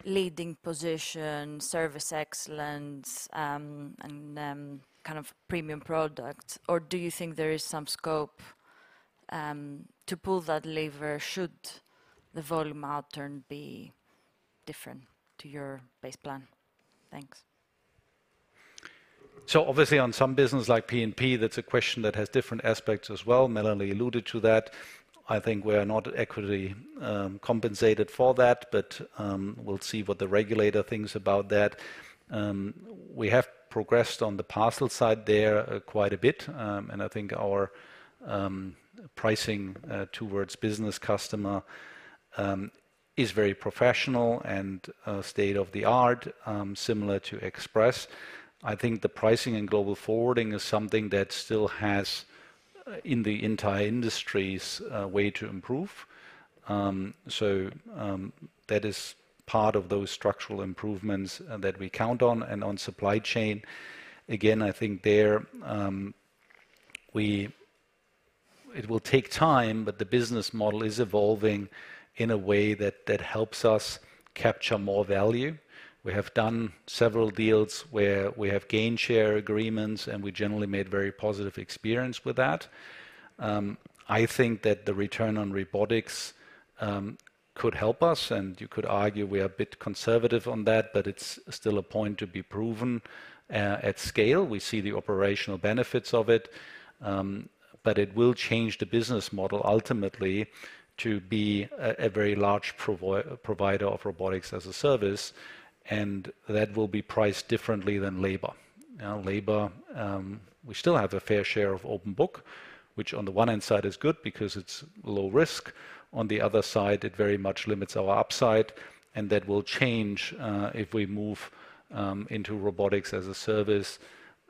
leading position, service excellence, and kind of premium product? Or do you think there is some scope to pull that lever, should the volume outturn be different to your base plan? Thanks. So obviously on some business like P&P, that's a question that has different aspects as well. Melanie alluded to that. I think we are not equally compensated for that, but we'll see what the regulator thinks about that. We have progressed on the parcel side there quite a bit. And I think our pricing towards business customer is very professional and state-of-the-art similar to Express. I think the pricing in Global Forwarding is something that still has in the entire industry's way to improve. So that is part of those structural improvements that we count on. And on Supply Chain, again, I think there it will take time, but the business model is evolving in a way that helps us capture more value. We have done several deals where we have gainshare agreements, and we generally made very positive experience with that. I think that the return on robotics could help us, and you could argue we are a bit conservative on that, but it's still a point to be proven. At scale, we see the operational benefits of it, but it will change the business model ultimately to be a very large provider of Robotics as a Service, and that will be priced differently than labor. Now, labor, we still have a fair share of open-book, which on the one hand side is good because it's low risk. On the other side, it very much limits our upside, and that will change if we move into Robotics as a Service,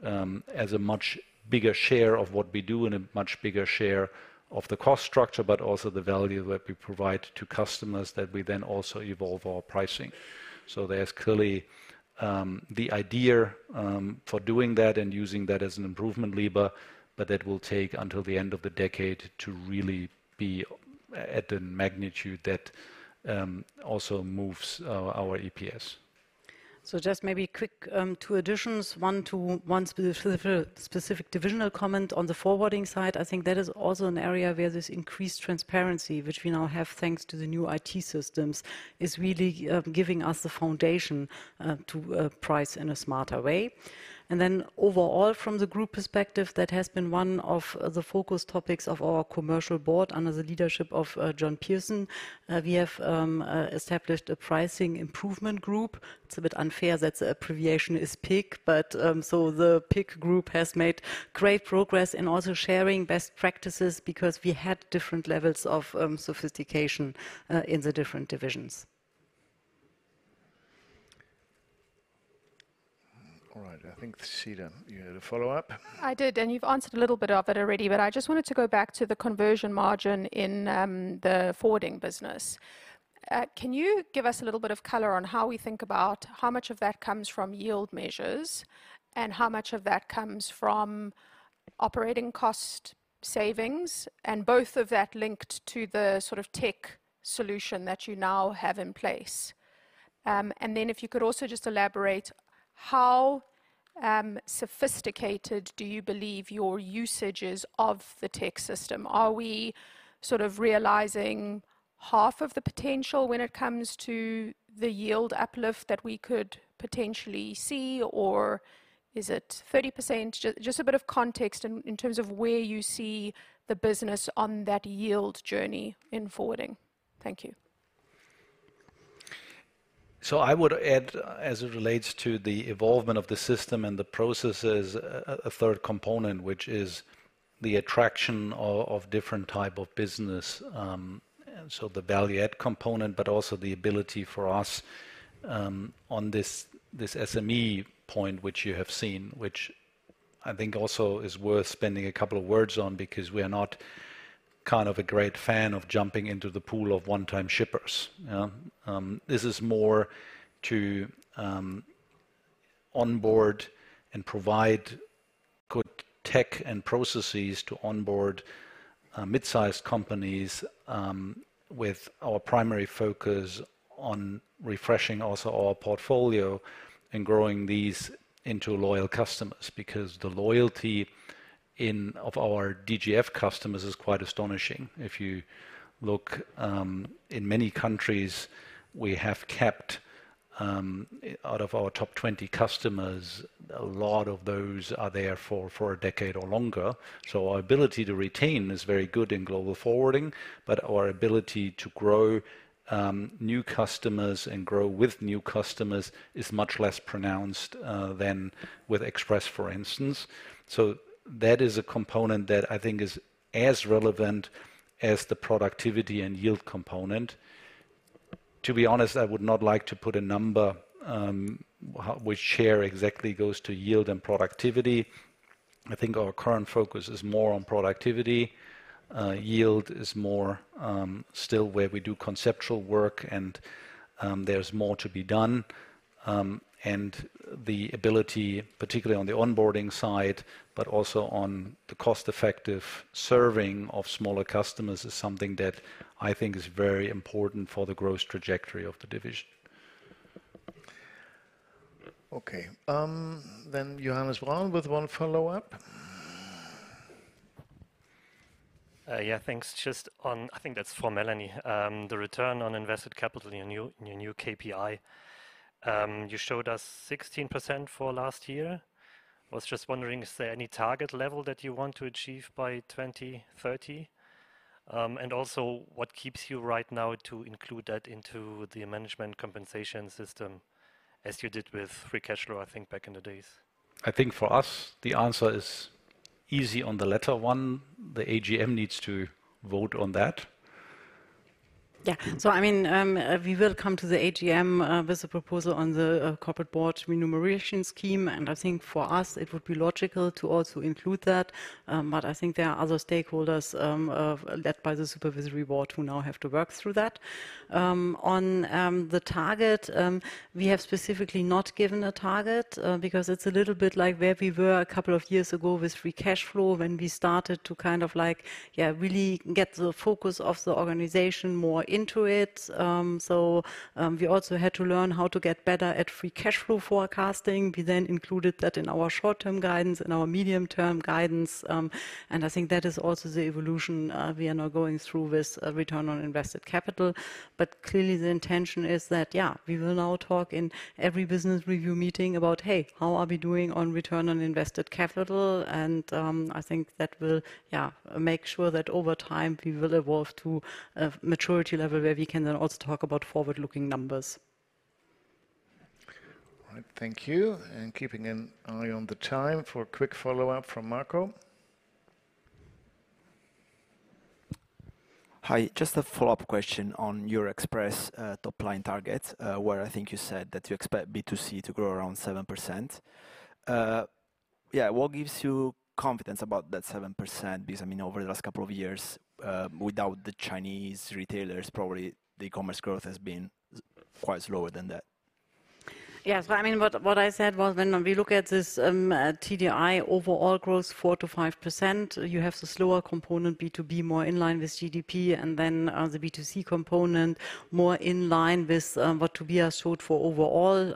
as a much bigger share of what we do and a much bigger share of the cost structure, but also the value that we provide to customers, that we then also evolve our pricing. So there's clearly the idea for doing that and using that as an improvement lever, but that will take until the end of the decade to really be at the magnitude that also moves our EPS. So just maybe quick, two additions. One to, one specific divisional comment. On the forwarding side, I think that is also an area where this increased transparency, which we now have thanks to the new IT systems, is really giving us the foundation to price in a smarter way. And then overall, from the group perspective, that has been one of the focus topics of our Commercial Board under the leadership of John Pearson. We have established a Pricing Improvement Group. It's a bit unfair that the abbreviation is PIC, but. So the PIC group has made great progress in also sharing best practices because we had different levels of sophistication in the different divisions. All right. I think, Cedar, you had a follow-up? I did, and you've answered a little bit of it already, but I just wanted to go back to the conversion margin in the forwarding business. Can you give us a little bit of color on how we think about how much of that comes from yield measures, and how much of that comes from operating cost savings, and both of that linked to the sort of tech solution that you now have in place? And then if you could also just elaborate, how sophisticated do you believe your usage is of the tech system? Are we sort of realizing half of the potential when it comes to the yield uplift that we could potentially see, or is it 30%? Just a bit of context in terms of where you see the business on that yield journey in forwarding. Thank you. So I would add, as it relates to the evolvement of the system and the processes, a third component, which is the attraction of different type of business. So the value add component, but also the ability for us, on this SME point, which you have seen, which I think also is worth spending a couple of words on, because we are not kind of a great fan of jumping into the pool of one-time shippers. This is more to onboard and provide good tech and processes to onboard mid-sized companies, with our primary focus on refreshing also our portfolio and growing these into loyal customers, because the loyalty of our DGF customers is quite astonishing. If you look in many countries, we have kept out of our top 20 customers, a lot of those are there for a decade or longer. So our ability to retain is very good in Global Forwarding, but our ability to grow new customers and grow with new customers is much less pronounced than with Express, for instance. So that is a component that I think is as relevant as the productivity and yield component. To be honest, I would not like to put a number which share exactly goes to yield and productivity.... I think our current focus is more on productivity. Yield is more still where we do conceptual work, and there's more to be done. And the ability, particularly on the onboarding side, but also on the cost-effective serving of smaller customers, is something that I think is very important for the growth trajectory of the division. Okay. Then Johannes Braun with one follow-up. Yeah, thanks. Just on, I think that's for Melanie. The return on invested capital, your new KPI. You showed us 16% for last year. I was just wondering, is there any target level that you want to achieve by 2030? And also, what keeps you right now to include that into the management compensation system, as you did with free cash flow, I think, back in the days? I think for us, the answer is easy on the latter one. The AGM needs to vote on that. Yeah. So I mean, we will come to the AGM with a proposal on the Corporate Board remuneration scheme, and I think for us it would be logical to also include that, but I think there are other stakeholders led by the Supervisory Board who now have to work through that. On the target, we have specifically not given a target because it's a little bit like where we were a couple of years ago with free cash flow, when we started to kind of like, yeah, really get the focus of the organization more into it, so we also had to learn how to get better at free cash flow forecasting. We then included that in our short-term guidance and our medium-term guidance. And I think that is also the evolution we are now going through with return on invested capital. But clearly, the intention is that we will now talk in every business review meeting about, "Hey, how are we doing on return on invested capital?" And I think that will make sure that over time, we will evolve to a maturity level where we can then also talk about forward-looking numbers. All right. Thank you, and keeping an eye on the time for a quick follow-up from Marco. Hi, just a follow-up question on your Express, top-line target, where I think you said that you expect B2C to grow around 7%. Yeah, what gives you confidence about that 7%? Because, I mean, over the last couple of years, without the Chinese retailers, probably the eCommerce growth has been quite slower than that. Yes, but I mean, what I said was when we look at this TDI overall growth, 4-5%, you have the slower component, B2B, more in line with GDP, and then the B2C component, more in line with what Tobias showed for overall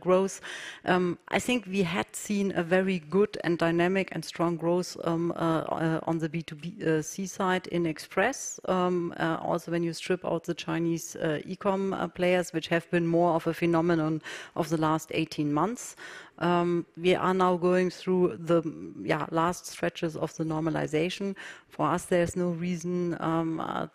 growth. I think we had seen a very good and dynamic and strong growth on the B2C side in Express. Also, when you strip out the Chinese e-com players, which have been more of a phenomenon of the last 18 months, we are now going through the yeah last stretches of the normalization. For us, there is no reason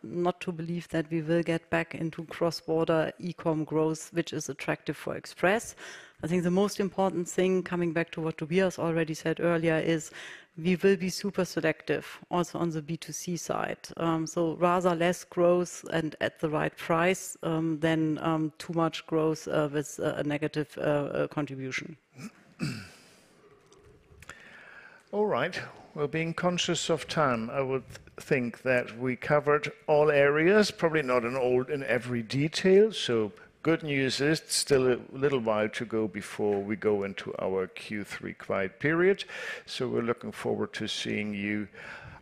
not to believe that we will get back into cross-border e-com growth, which is attractive for Express. I think the most important thing, coming back to what Tobias already said earlier, is we will be super selective also on the B2C side, so rather less growth and at the right price than too much growth with a negative contribution. All right. We're being conscious of time. I would think that we covered all areas, probably not in all, in every detail. So good news is, it's still a little while to go before we go into our Q3 quiet period. So we're looking forward to seeing you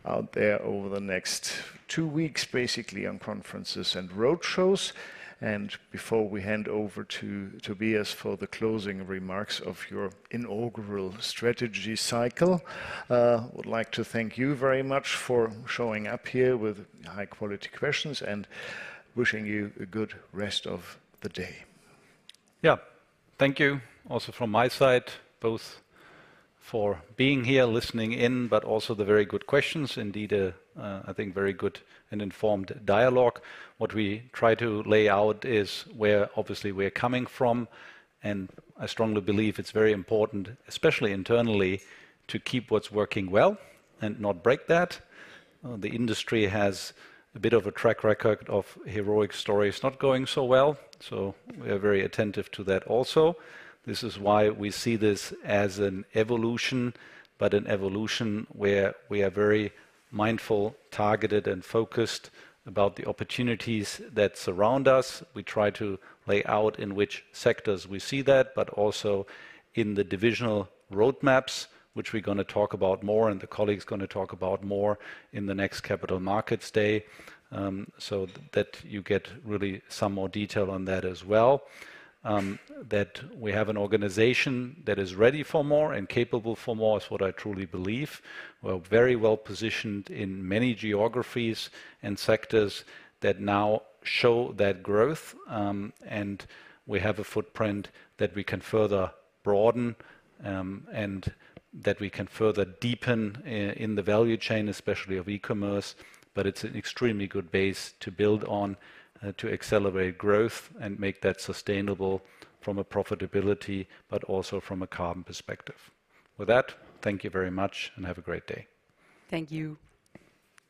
out there over the next two weeks, basically on conferences and roadshows. And before we hand over to Tobias for the closing remarks of your inaugural strategy cycle, would like to thank you very much for showing up here with high-quality questions, and wishing you a good rest of the day. Yeah. Thank you also from my side, both for being here, listening in, but also the very good questions. Indeed, I think, very good and informed dialogue. What we try to lay out is where obviously we're coming from, and I strongly believe it's very important, especially internally, to keep what's working well and not break that. The industry has a bit of a track record of heroic stories not going so well, so we are very attentive to that also. This is why we see this as an evolution, but an evolution where we are very mindful, targeted, and focused about the opportunities that surround us. We try to lay out in which sectors we see that, but also in the divisional roadmaps, which we're gonna talk about more, and the colleagues are gonna talk about more in the next Capital Markets Day. So that you get really some more detail on that as well. That we have an organization that is ready for more and capable for more is what I truly believe. We're very well-positioned in many geographies and sectors that now show that growth. And we have a footprint that we can further broaden, and that we can further deepen, in the value chain, especially of eCommerce. But it's an extremely good base to build on, to accelerate growth and make that sustainable from a profitability, but also from a carbon perspective. With that, thank you very much and have a great day. Thank you.